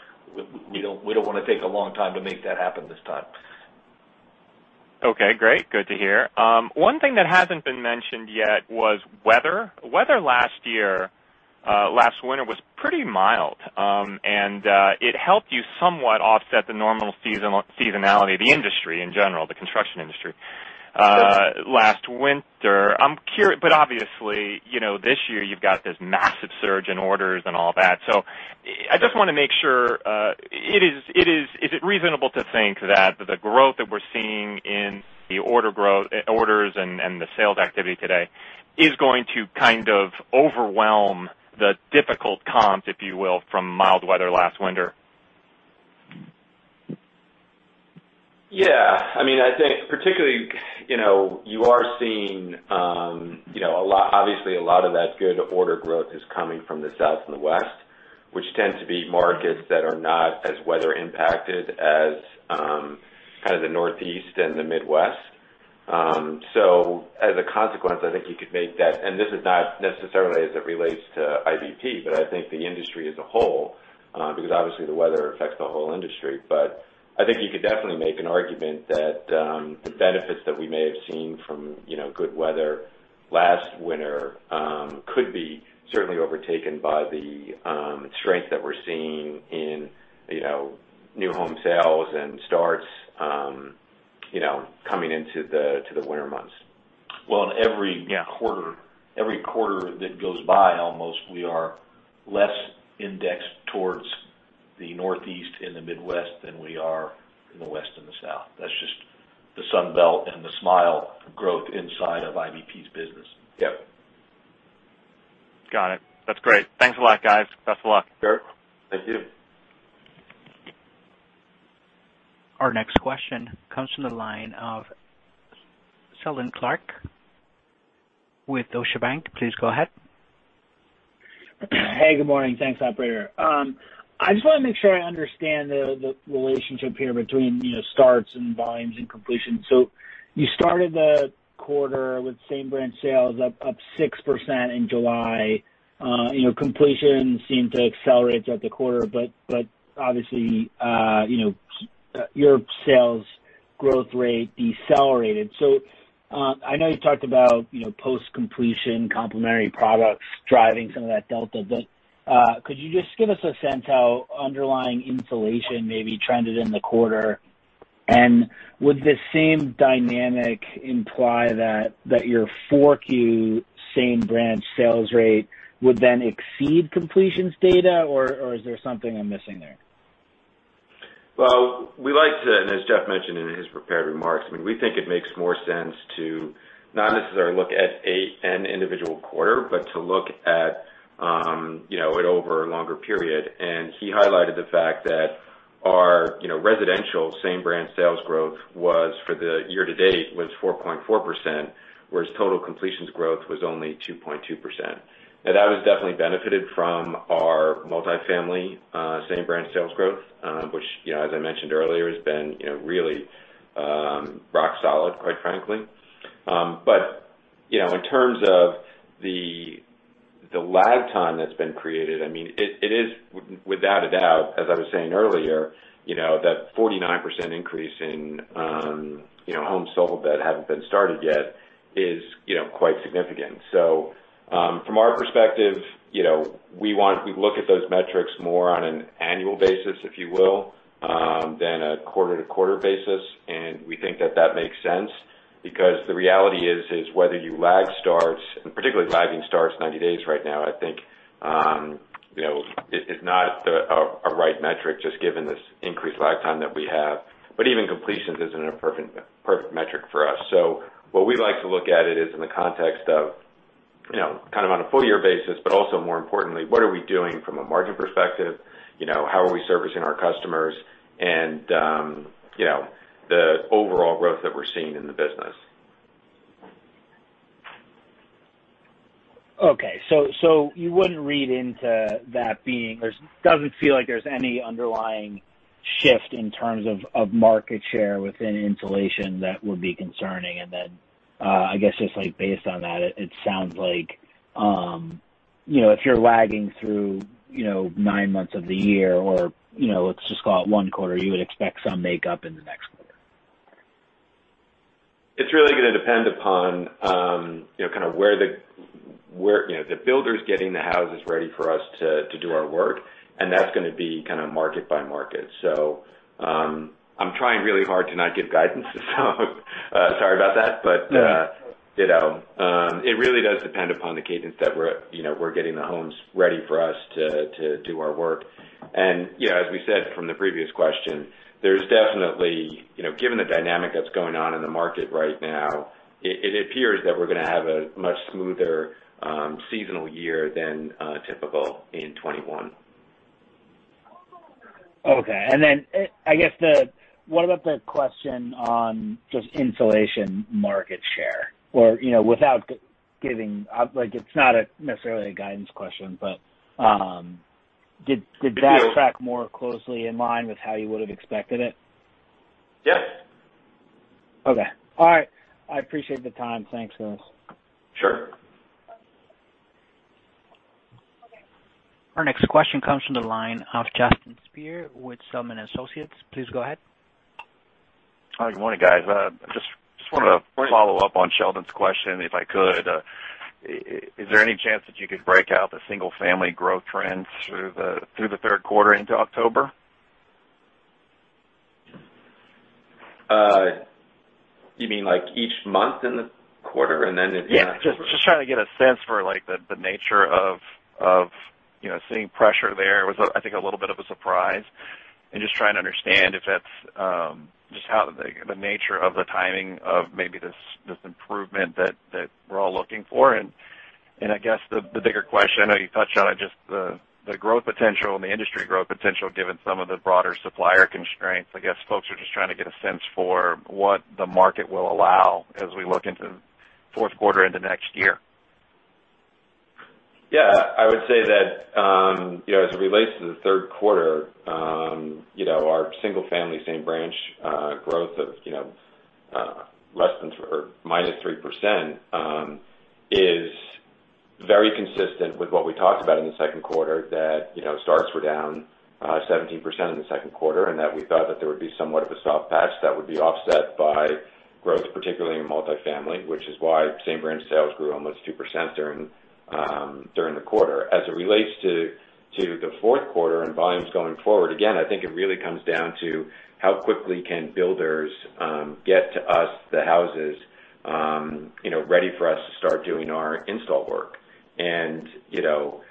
We don't want to take a long time to make that happen this time. Okay, great. Good to hear. One thing that hasn't been mentioned yet was weather. Weather last year, last winter, was pretty mild, and it helped you somewhat offset the normal seasonality of the industry in general, the construction industry, last winter. But obviously, you know, this year you've got this massive surge in orders and all that. So I just want to make sure, is it reasonable to think that the growth that we're seeing in the order growth, orders and the sales activity today is going to kind of overwhelm the difficult comp, if you will, from mild weather last winter? Yeah. I mean, I think particularly, you know, you are seeing, you know, a lot, obviously, a lot of that good order growth is coming from the South and the West, which tend to be markets that are not as weather impacted as, kind of the Northeast and the Midwest. So as a consequence, I think you could make that, and this is not necessarily as it relates to IBP, but I think the industry as a whole, because obviously the weather affects the whole industry. But I think you could definitely make an argument that, the benefits that we may have seen from, you know, good weather last winter, could be certainly overtaken by the, strength that we're seeing in, you know, new home sales and starts, you know, coming into the winter months. Well, in every- Yeah Every quarter that goes by, almost, we are less indexed towards the Northeast and the Midwest than we are in the West and the South. That's just the Sun Belt and the single-family growth inside of IBP's business. Yep. Got it. That's great. Thanks a lot, guys. Best of luck. Sure. Thank you. Our next question comes from the line of Seldon Clarke with Deutsche Bank. Please go ahead. Hey, good morning. Thanks, operator. I just want to make sure I understand the relationship here between, you know, starts and volumes and completions. So you started the quarter with same branch sales up 6% in July. You know, completions seemed to accelerate throughout the quarter, but obviously your sales growth rate decelerated. So, I know you talked about, you know, post-completion complementary products driving some of that delta, but could you just give us a sense how underlying insulation maybe trended in the quarter? And would the same dynamic imply that your 4Q same branch sales rate would then exceed completions data, or is there something I'm missing there? Well, we like to, and as Jeff mentioned in his prepared remarks, I mean, we think it makes more sense to not necessarily look at an individual quarter, but to look at, you know, it over a longer period. And he highlighted the fact that our, you know, residential same branch sales growth was, for the year to date, was 4.4%, whereas total completions growth was only 2.2%. Now, that was definitely benefited from our multifamily same branch sales growth, which, you know, as I mentioned earlier, has been, you know, really rock solid, quite frankly. But, you know, in terms of the, the lag time that's been created, I mean, it is, without a doubt, as I was saying earlier, you know, that 49% increase in, you know, homes sold that haven't been started yet is, you know, quite significant. So, from our perspective, you know, we want—we look at those metrics more on an annual basis, if you will, than a quarter-to-quarter basis. And we think that that makes sense because the reality is whether you lag starts, and particularly lagging starts 90 days right now, I think, you know, it is not a right metric just given this increased lag time that we have. But even completions isn't a perfect metric for us. So what we like to look at it is in the context of, you know, kind of on a full year basis, but also more importantly, what are we doing from a margin perspective? You know, how are we servicing our customers? And, you know, the overall growth that we're seeing in the business. Okay, so, so you wouldn't read into that being. Doesn't feel like there's any underlying shift in terms of, of market share within insulation that would be concerning. And then, I guess just, like, based on that, it, it sounds like, you know, if you're lagging through, you know, nine months of the year, or, you know, let's just call it one quarter, you would expect some makeup in the next quarter. It's really gonna depend upon, you know, kind of where the, you know, the builders getting the houses ready for us to do our work, and that's gonna be kind of market by market. So, I'm trying really hard to not give guidance, so, sorry about that. But, No. You know, it really does depend upon the cadence that we're, you know, we're getting the homes ready for us to do our work. And, you know, as we said from the previous question, there's definitely, you know, given the dynamic that's going on in the market right now, it appears that we're gonna have a much smoother seasonal year than typical in 2021. Okay. And then, I guess the—what about the question on just insulation market share? Or, you know, without giving, like, it's not necessarily a guidance question, but, did that- So- track more closely in line with how you would've expected it? Yes. Okay. All right. I appreciate the time. Thanks, guys. Sure. Our next question comes from the line of Justin Speer with Zelman & Associates. Please go ahead. Hi, good morning, guys. Just wanted to follow up on Seldon's question, if I could. Is there any chance that you could break out the single-family growth trends through the Q3 into October? You mean, like, each month in the quarter, and then if not? Yeah, just trying to get a sense for, like, the nature of, you know, seeing pressure there was, I think, a little bit of a surprise. And just trying to understand if that's just how the nature of the timing of maybe this improvement that we're all looking for. And I guess the bigger question, I know you touched on it, just the growth potential and the industry growth potential, given some of the broader supplier constraints. I guess folks are just trying to get a sense for what the market will allow as we look into Q4 into next year. Yeah, I would say that, you know, as it relates to the Q3, you know, our single-family same branch growth of, you know, less than 3% or -3%, is very consistent with what we talked about in the Q2, that, you know, starts were down 17% in the Q2, and that we thought that there would be somewhat of a soft patch that would be offset by growth, particularly in multifamily, which is why same branch sales grew almost 2% during the quarter. As it relates to the Q4 and volumes going forward, again, I think it really comes down to how quickly can builders get to us, the houses, you know, ready for us to start doing our install work. And, you know,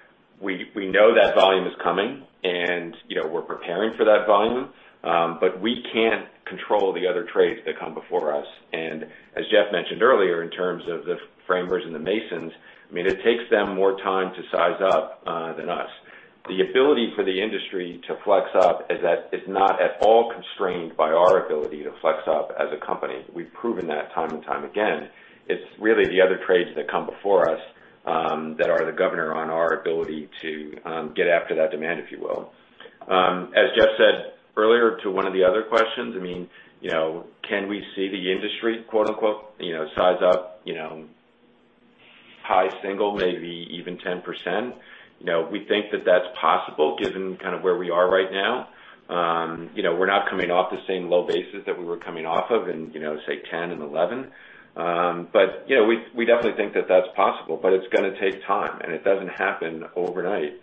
we know that volume is coming, and, you know, we're preparing for that volume, but we can't control the other trades that come before us. And as Jeff mentioned earlier, in terms of the framers and the masons, I mean, it takes them more time to size up than us. The ability for the industry to flex up is that it's not at all constrained by our ability to flex up as a company. We've proven that time and time again. It's really the other trades that come before us that are the governor on our ability to get after that demand, if you will. As Jeff said earlier to one of the other questions, I mean, you know, can we see the industry, quote, unquote, you know, "size up," you know, high single, maybe even 10%? You know, we think that that's possible, given kind of where we are right now. You know, we're not coming off the same low basis that we were coming off of in, you know, say, 2010 and 2011. But, you know, we definitely think that that's possible, but it's gonna take time, and it doesn't happen overnight.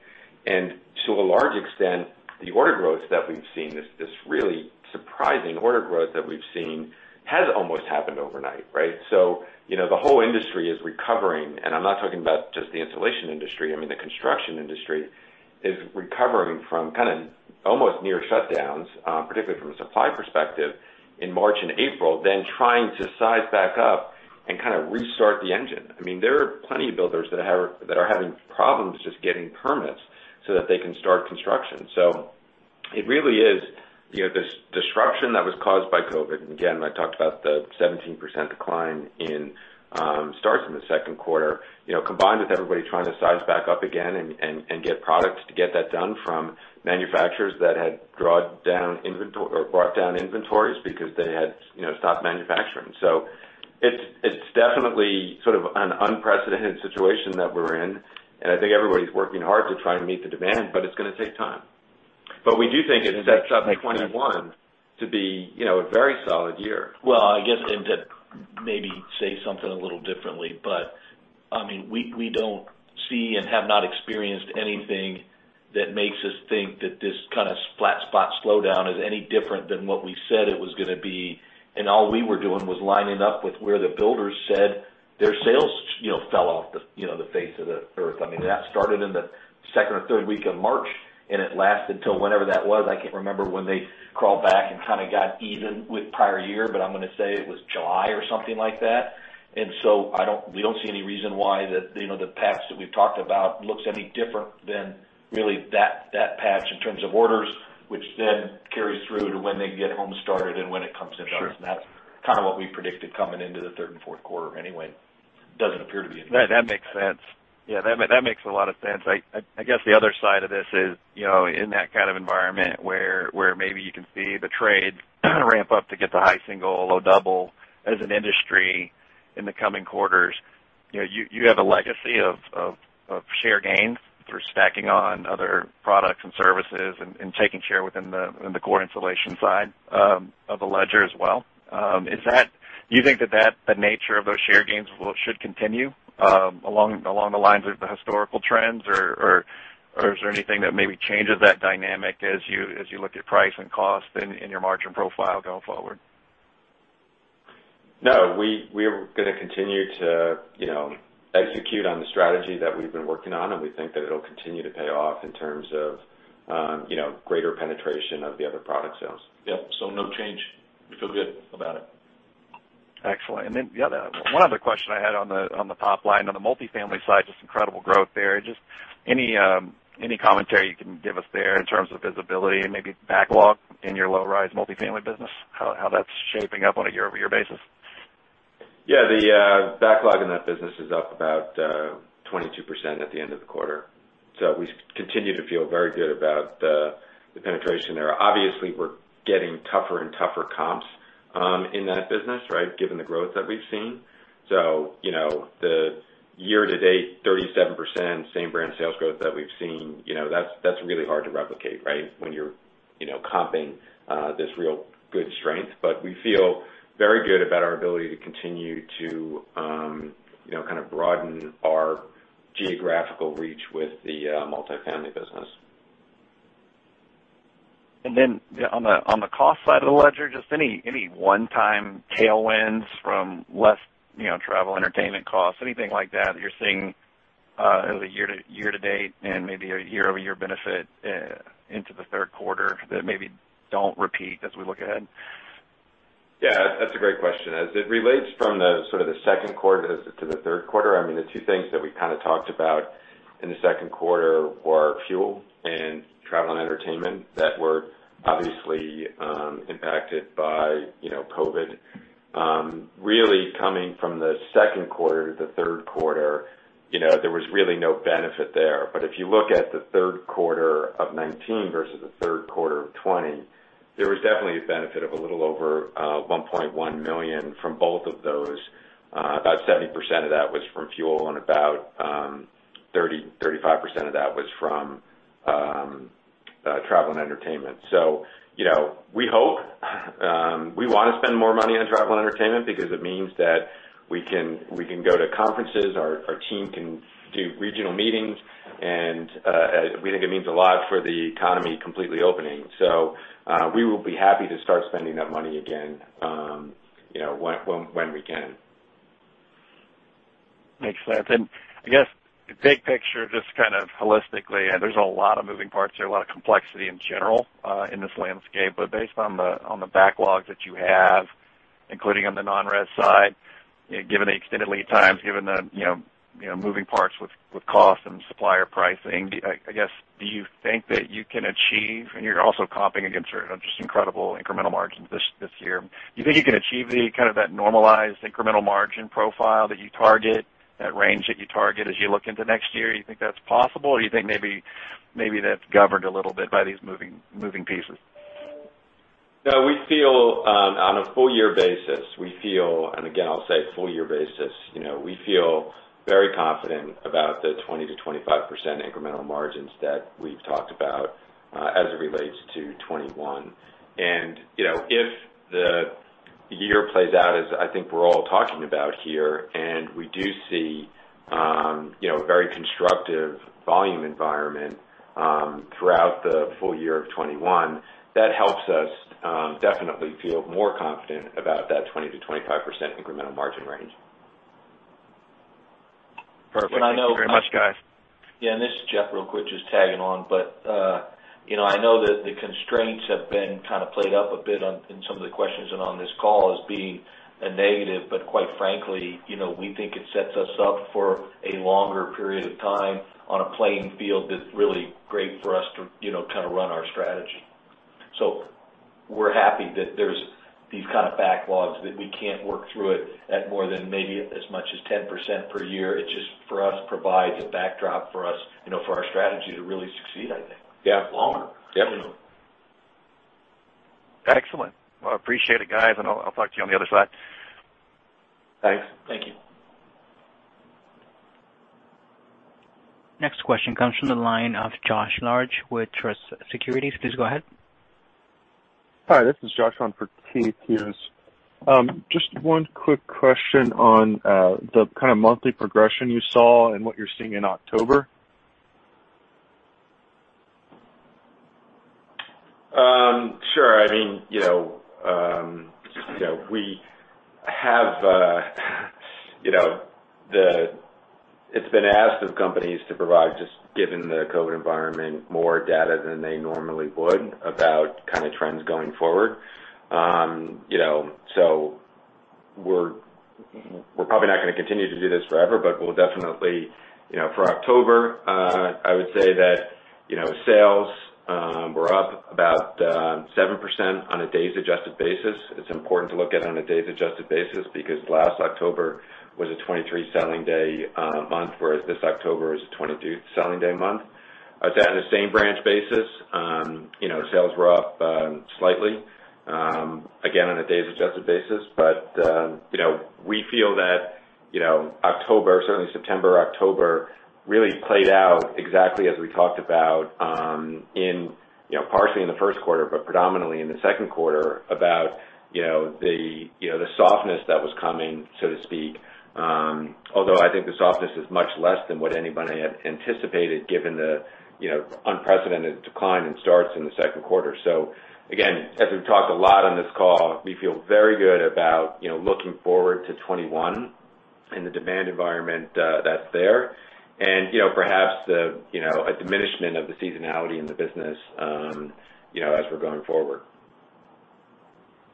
To a large extent, the order growth that we've seen, this really surprising order growth that we've seen, has almost happened overnight, right? You know, the whole industry is recovering, and I'm not talking about just the insulation industry, I mean, the construction industry is recovering from kind of almost near shutdowns, particularly from a supply perspective, in March and April, then trying to size back up and kind of restart the engine. I mean, there are plenty of builders that have that are having problems just getting permits so that they can start construction. So it really is, you know, this disruption that was caused by COVID, and again, I talked about the 17% decline in starts in the Q2, you know, combined with everybody trying to size back up again and get products to get that done from manufacturers that had drawn down or brought down inventories because they had, you know, stopped manufacturing. So it's definitely sort of an unprecedented situation that we're in, and I think everybody's working hard to try and meet the demand, but it's gonna take time. But we do think it sets up 2021 to be, you know, a very solid year. Well, I guess, and to maybe say something a little differently, but I mean, we, we don't see and have not experienced anything that makes us think that this kind of flat spot slowdown is any different than what we said it was gonna be. And all we were doing was lining up with where the builders said their sales, you know, fell off the, you know, the face of the earth. I mean, that started in the second or third week of March, and it lasted till whenever that was. I can't remember when they crawled back and kind of got even with prior year, but I'm gonna say it was July or something like that. So I don't, we don't see any reason why the, you know, the paths that we've talked about looks any different than really that, that path in terms of orders, which then carries through to when they can get home started and when it can... kind of what we predicted coming into the third and Q4 anyway. Doesn't appear to be anything. That makes sense. Yeah, that makes a lot of sense. I guess the other side of this is, you know, in that kind of environment where maybe you can see the trade ramp up to get to high single, low double as an industry in the coming quarters, you know, you have a legacy of share gains through stacking on other products and services and taking share within the core insulation side of the ledger as well. Is that-- do you think that the nature of those share gains should continue along the lines of the historical trends? Or is there anything that maybe changes that dynamic as you look at price and cost in your margin profile going forward? No, we are gonna continue to, you know, execute on the strategy that we've been working on, and we think that it'll continue to pay off in terms of, you know, greater penetration of the other product sales. Yep, so no change. We feel good about it. Excellent. And then one other question I had on the, on the top line, on the multifamily side, just incredible growth there. Just any commentary you can give us there in terms of visibility and maybe backlog in your low-rise multifamily business, how that's shaping up on a year-over-year basis? Yeah, the backlog in that business is up about 22% at the end of the quarter. So we continue to feel very good about the penetration there. Obviously, we're getting tougher and tougher comps in that business, right, given the growth that we've seen. So, you know, the year-to-date 37% same branch sales growth that we've seen, you know, that's really hard to replicate, right? When you're, you know, comping this real good strength. But we feel very good about our ability to continue to, you know, kind of broaden our geographical reach with the multifamily business. Then on the, on the cost side of the ledger, just any, any one-time tailwinds from less, you know, travel, entertainment costs, anything like that, that you're seeing, as a year-to-date and maybe a year-over-year benefit, into the Q3 that maybe don't repeat as we look ahead? Yeah, that's, that's a great question. As it relates from the sort of the Q2 to the, to the Q3, I mean, the two things that we kind of talked about in the Q2 were fuel and travel and entertainment that were obviously, impacted by, you know, COVID. Really coming from the Q2 to the Q3, you know, there was really no benefit there. But if you look at the Q3 of 2019 versus the Q3 of 2020, there was definitely a benefit of a little over $1.1 million from both of those. About 70% of that was from fuel, and about 30-35% of that was from travel and entertainment. You know, we hope we want to spend more money on travel and entertainment because it means that we can go to conferences, our team can do regional meetings, and we think it means a lot for the economy completely opening. We will be happy to start spending that money again, you know, when we can. Makes sense. I guess, big picture, just kind of holistically, and there's a lot of moving parts here, a lot of complexity in general, in this landscape. But based on the backlogs that you have, including on the non-res side, given the extended lead times, given the, you know, you know, moving parts with costs and supplier pricing, I guess, do you think that you can achieve, and you're also comping against, you know, just incredible incremental margins this year. Do you think you can achieve the kind of that normalized incremental margin profile that you target, that range that you target as you look into next year? You think that's possible, or you think maybe, maybe that's governed a little bit by these moving, moving pieces? No, we feel on a full year basis, we feel, and again, I'll say full year basis, you know, we feel very confident about the 20%-25% incremental margins that we've talked about as it relates to 2021. And, you know, if the year plays out as I think we're all talking about here, and we do see, you know, a very constructive volume environment throughout the full year of 2021, that helps us definitely feel more confident about that 20%-25% incremental margin range. Perfect. And I know- Thank you very much, guys. Yeah, and this is Jeff, real quick, just tagging on. But, you know, I know that the constraints have been kind of played up a bit on, in some of the questions and on this call as being a negative, but quite frankly, you know, we think it sets us up for a longer period of time on a playing field that's really great for us to, you know, kind of run our strategy. So we're happy that there's these kind of backlogs, that we can't work through it at more than maybe as much as 10% per year. It just, for us, provides a backdrop for us, you know, for our strategy to really succeed, I think. Yeah. Longer. Definitely. Excellent. Well, I appreciate it, guys, and I'll, I'll talk to you on the other side. Thanks. Thank you. Next question comes from the line of Josh Large with Truist Securities. Please go ahead. Hi, this is Josh Large from Truist Securities. Just one quick question on the kind of monthly progression you saw and what you're seeing in October? Sure. I mean, you know, you know, we have, you know, it's been asked of companies to provide, just given the COVID environment, more data than they normally would about kind of trends going forward. You know, so we're We're probably not going to continue to do this forever, but we'll definitely, you know, for October, I would say that, you know, sales were up about 7% on a days-adjusted basis. It's important to look at it on a days-adjusted basis because last October was a 23 selling day month, whereas this October is a 22 selling day month. At the same branch basis, you know, sales were up slightly, again, on a days-adjusted basis. But, you know, we feel that, you know, October, certainly September, October, really played out exactly as we talked about, in, you know, partially in the Q1, but predominantly in the Q2, about, you know, the, you know, the softness that was coming, so to speak. Although I think the softness is much less than what anybody had anticipated, given the, you know, unprecedented decline in starts in the Q2. So again, as we've talked a lot on this call, we feel very good about, you know, looking forward to 2021 and the demand environment, that's there. And, you know, perhaps the, you know, a diminishment of the seasonality in the business, you know, as we're going forward.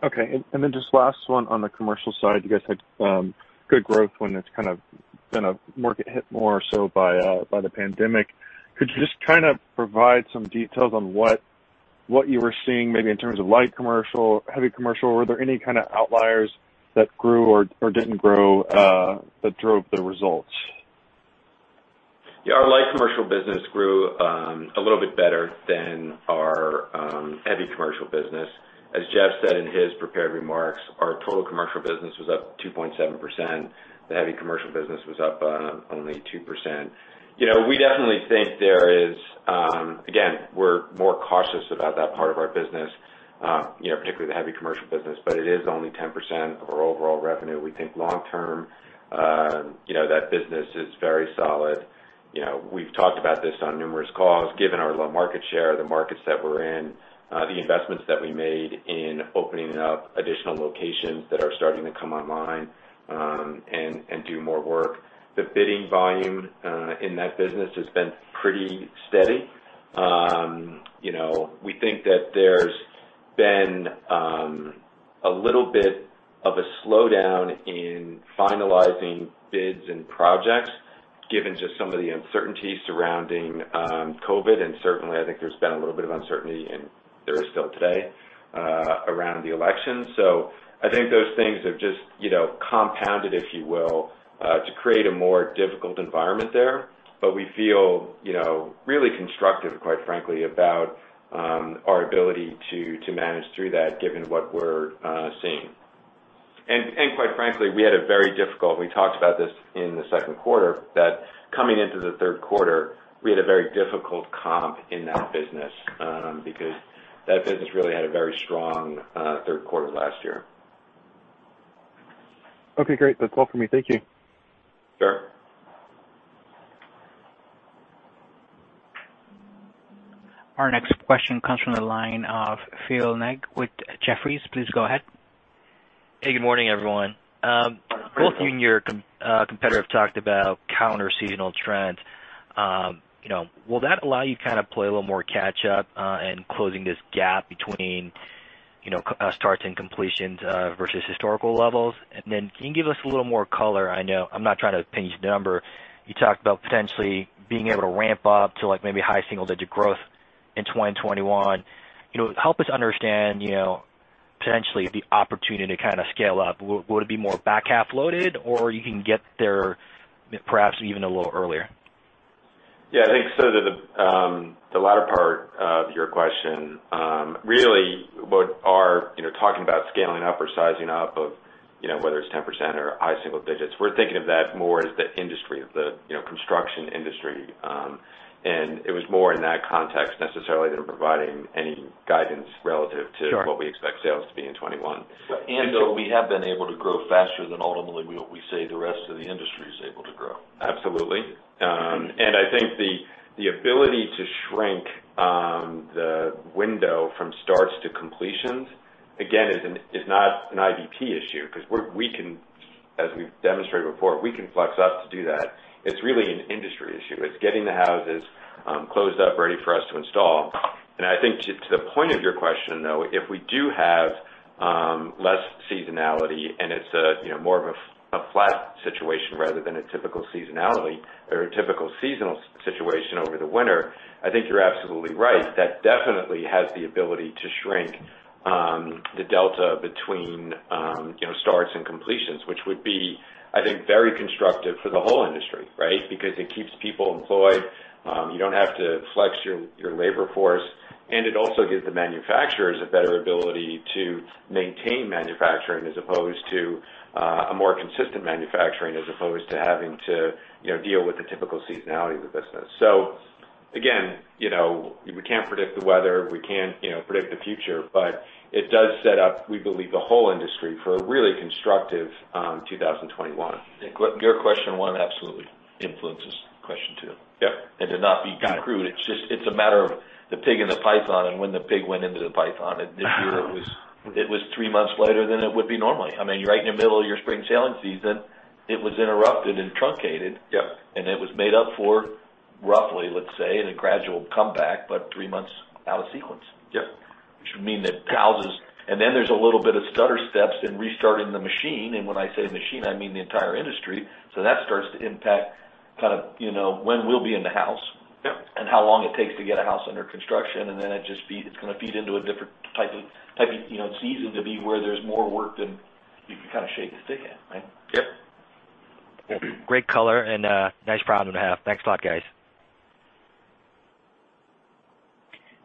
Okay. And then just last one on the commercial side, you guys had good growth when it's kind of been a market hit more so by the pandemic. Could you just kind of provide some details on what you were seeing, maybe in terms of light commercial, heavy commercial? Were there any kind of outliers that grew or didn't grow that drove the results? Yeah, our light commercial business grew a little bit better than our heavy commercial business. As Jeff said in his prepared remarks, our total commercial business was up 2.7%. The heavy commercial business was up only 2%. You know, we definitely think there is again, we're more cautious about that part of our business, you know, particularly the heavy commercial business, but it is only 10% of our overall revenue. We think long term, you know, that business is very solid. You know, we've talked about this on numerous calls, given our low market share, the markets that we're in, the investments that we made in opening up additional locations that are starting to come online, and do more work. The bidding volume in that business has been pretty steady. You know, we think that there's been a little bit of a slowdown in finalizing bids and projects, given just some of the uncertainty surrounding COVID. And certainly, I think there's been a little bit of uncertainty, and there is still today around the election. So I think those things have just, you know, compounded, if you will, to create a more difficult environment there. But we feel, you know, really constructive, quite frankly, about our ability to manage through that, given what we're seeing. And quite frankly, we had a very difficult comp. We talked about this in the Q2, that coming into the Q3, we had a very difficult comp in that business, because that business really had a very strong Q3 last year. Okay, great. That's all for me. Thank you. Sure. Our next question comes from the line of Philip Ng with Jefferies. Please go ahead. Hey, good morning, everyone. Both you and your competitor have talked about counterseasonal trends. You know, will that allow you to kind of play a little more catch up in closing this gap between, you know, starts and completions versus historical levels? And then can you give us a little more color? I know I'm not trying to pin you to the number. You talked about potentially being able to ramp up to, like, maybe high single digit growth in 2021. You know, help us understand, you know, potentially the opportunity to kind of scale up. Would it be more back half loaded or you can get there perhaps even a little earlier? Yeah, I think so, the latter part of your question, really what we're, you know, talking about scaling up or sizing up, you know, whether it's 10% or high single digits, we're thinking of that more as the industry, you know, the construction industry. And it was more in that context necessarily than providing any guidance relative to- Sure. What we expect sales to be in 2021. Though we have been able to grow faster than ultimately we say the rest of the industry is able to grow. Absolutely. And I think the, the ability to shrink, the window from starts to completions, again, is not an IBP issue, because we can, as we've demonstrated before, we can flex up to do that. It's really an industry issue. It's getting the houses, closed up, ready for us to install. And I think to, to the point of your question, though, if we do have, less seasonality and it's a, you know, more of a, a flat situation rather than a typical seasonality or a typical seasonal situation over the winter, I think you're absolutely right. That definitely has the ability to shrink, the delta between, you know, starts and completions, which would be, I think, very constructive for the whole industry, right? Because it keeps people employed. You don't have to flex your, your labor force, and it also gives the manufacturers a better ability to maintain manufacturing, as opposed to a more consistent manufacturing, as opposed to having to, you know, deal with the typical seasonality of the business. So again, you know, we can't predict the weather, we can't, you know, predict the future, but it does set up, we believe, the whole industry for a really constructive 2021. Your question one absolutely influences question two. Yep. To not be crude, it's just, it's a matter of the pig in the python. When the pig went into the python, and this year it was, it was three months later than it would be normally. I mean, you're right in the middle of your spring selling season. It was interrupted and truncated. Yep. It was made up for roughly, let's say, in a gradual comeback, but three months out of sequence. Yep. which means that houses, and then there's a little bit of stutter steps in restarting the machine, and when I say machine, I mean the entire industry. So that starts to impact kind of, you know, when we'll be in the house- Yep. How long it takes to get a house under construction, and then it just feeds, it's gonna feed into a different type of, type of, you know, season to be where there's more work than you can kind of shake a stick at, right? Yep. Great color and, nice problem to have. Thanks a lot, guys.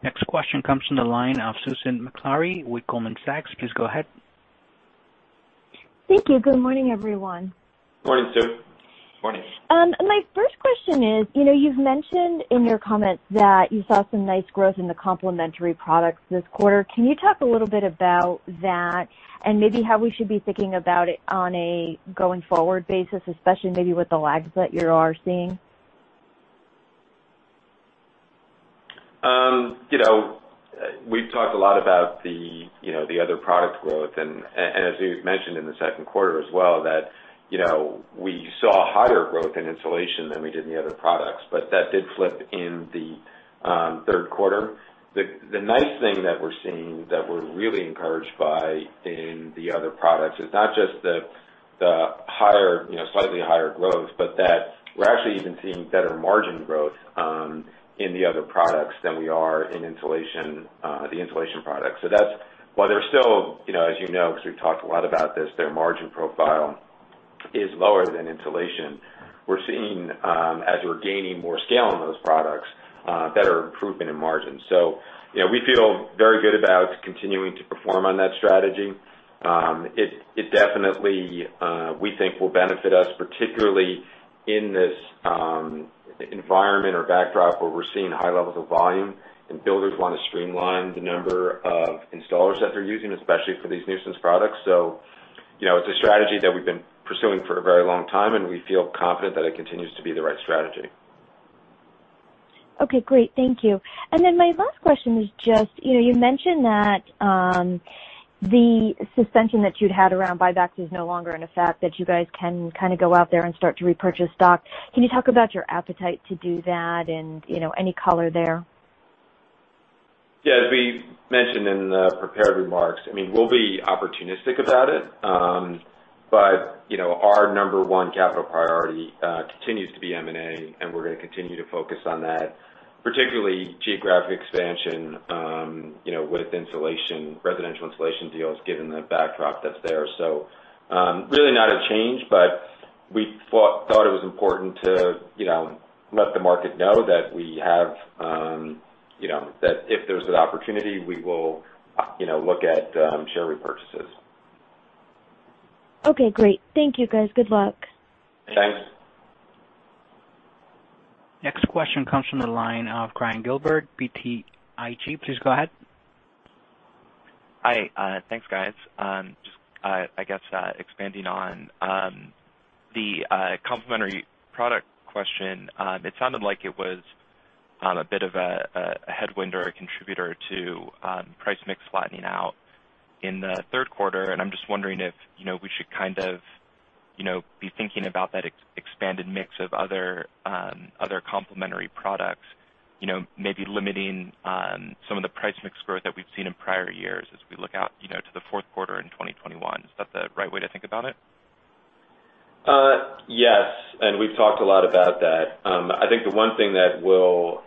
Next question comes from the line of Susan Maklari with Goldman Sachs. Please go ahead. Thank you. Good morning, everyone. Morning, Sue. Morning. My first question is, you know, you've mentioned in your comments that you saw some nice growth in the complementary products this quarter. Can you talk a little bit about that, and maybe how we should be thinking about it on a going-forward basis, especially maybe with the lags that you are seeing? You know, we've talked a lot about the, you know, the other product growth, and as we've mentioned in the Q2 as well, that, you know, we saw higher growth in insulation than we did in the other products. But that did flip in the Q3. The nice thing that we're seeing, that we're really encouraged by in the other products, is not just the higher, you know, slightly higher growth, but that we're actually even seeing better margin growth in the other products than we are in insulation, the insulation products. So that's... While they're still, you know, as you know, because we've talked a lot about this, their margin profile is lower than insulation. We're seeing, as we're gaining more scale on those products, better improvement in margins. So, you know, we feel very good about continuing to perform on that strategy. It definitely, we think will benefit us, particularly in this environment or backdrop where we're seeing high levels of volume, and builders want to streamline the number of installers that they're using, especially for these nuisance products. So, you know, it's a strategy that we've been pursuing for a very long time, and we feel confident that it continues to be the right strategy. Okay, great. Thank you. Then my last question is just, you know, you mentioned that the suspension that you'd had around buybacks is no longer in effect, that you guys can kind of go out there and start to repurchase stock. Can you talk about your appetite to do that and, you know, any color there? Yeah. As we mentioned in the prepared remarks, I mean, we'll be opportunistic about it. But, you know, our number one capital priority continues to be M&A, and we're gonna continue to focus on that, particularly geographic expansion, you know, with insulation, residential insulation deals, given the backdrop that's there. So, really not a change, but we thought it was important to, you know, let the market know that we have, you know, that if there's an opportunity, we will, you know, look at share repurchases. Okay, great. Thank you, guys. Good luck. Thanks. Next question comes from the line of Ryan Gilbert, BTIG. Please go ahead. Hi, thanks, guys. Just, I guess, expanding on the complementary product question. It sounded like it was a bit of a headwind or a contributor to price mix flattening out in the Q3. And I'm just wondering if, you know, we should kind of, you know, be thinking about that expanded mix of other complementary products, you know, maybe limiting some of the price mix growth that we've seen in prior years as we look out, you know, to the Q4 in 2021. Is that the right way to think about it? Yes, and we've talked a lot about that. I think the one thing that will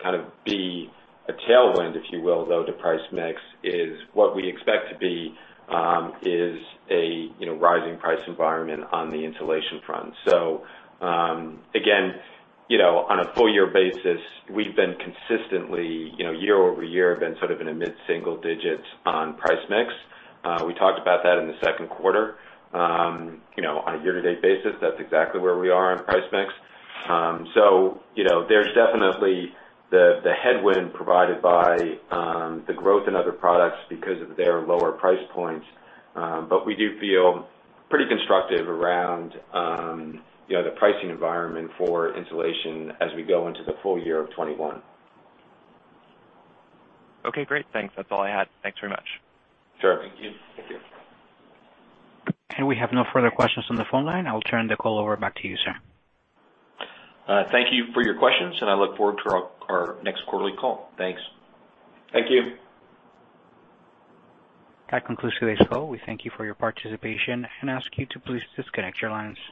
kind of be a tailwind, if you will, though, to price mix, is what we expect to be a you know, rising price environment on the insulation front. So, again, you know, on a full year basis, we've been consistently, you know, year-over-year, been sort of in a mid-single digits on price mix. We talked about that in the Q2. You know, on a year-to-date basis, that's exactly where we are on price mix. So, you know, there's definitely the headwind provided by the growth in other products because of their lower price points. But we do feel pretty constructive around you know, the pricing environment for insulation as we go into the full year of 2021. Okay, great. Thanks. That's all I had. Thanks very much. Sure. Thank you. Thank you. We have no further questions on the phone line. I'll turn the call over back to you, sir. Thank you for your questions, and I look forward to our next quarterly call. Thanks. Thank you. That concludes today's call. We thank you for your participation and ask you to please disconnect your lines.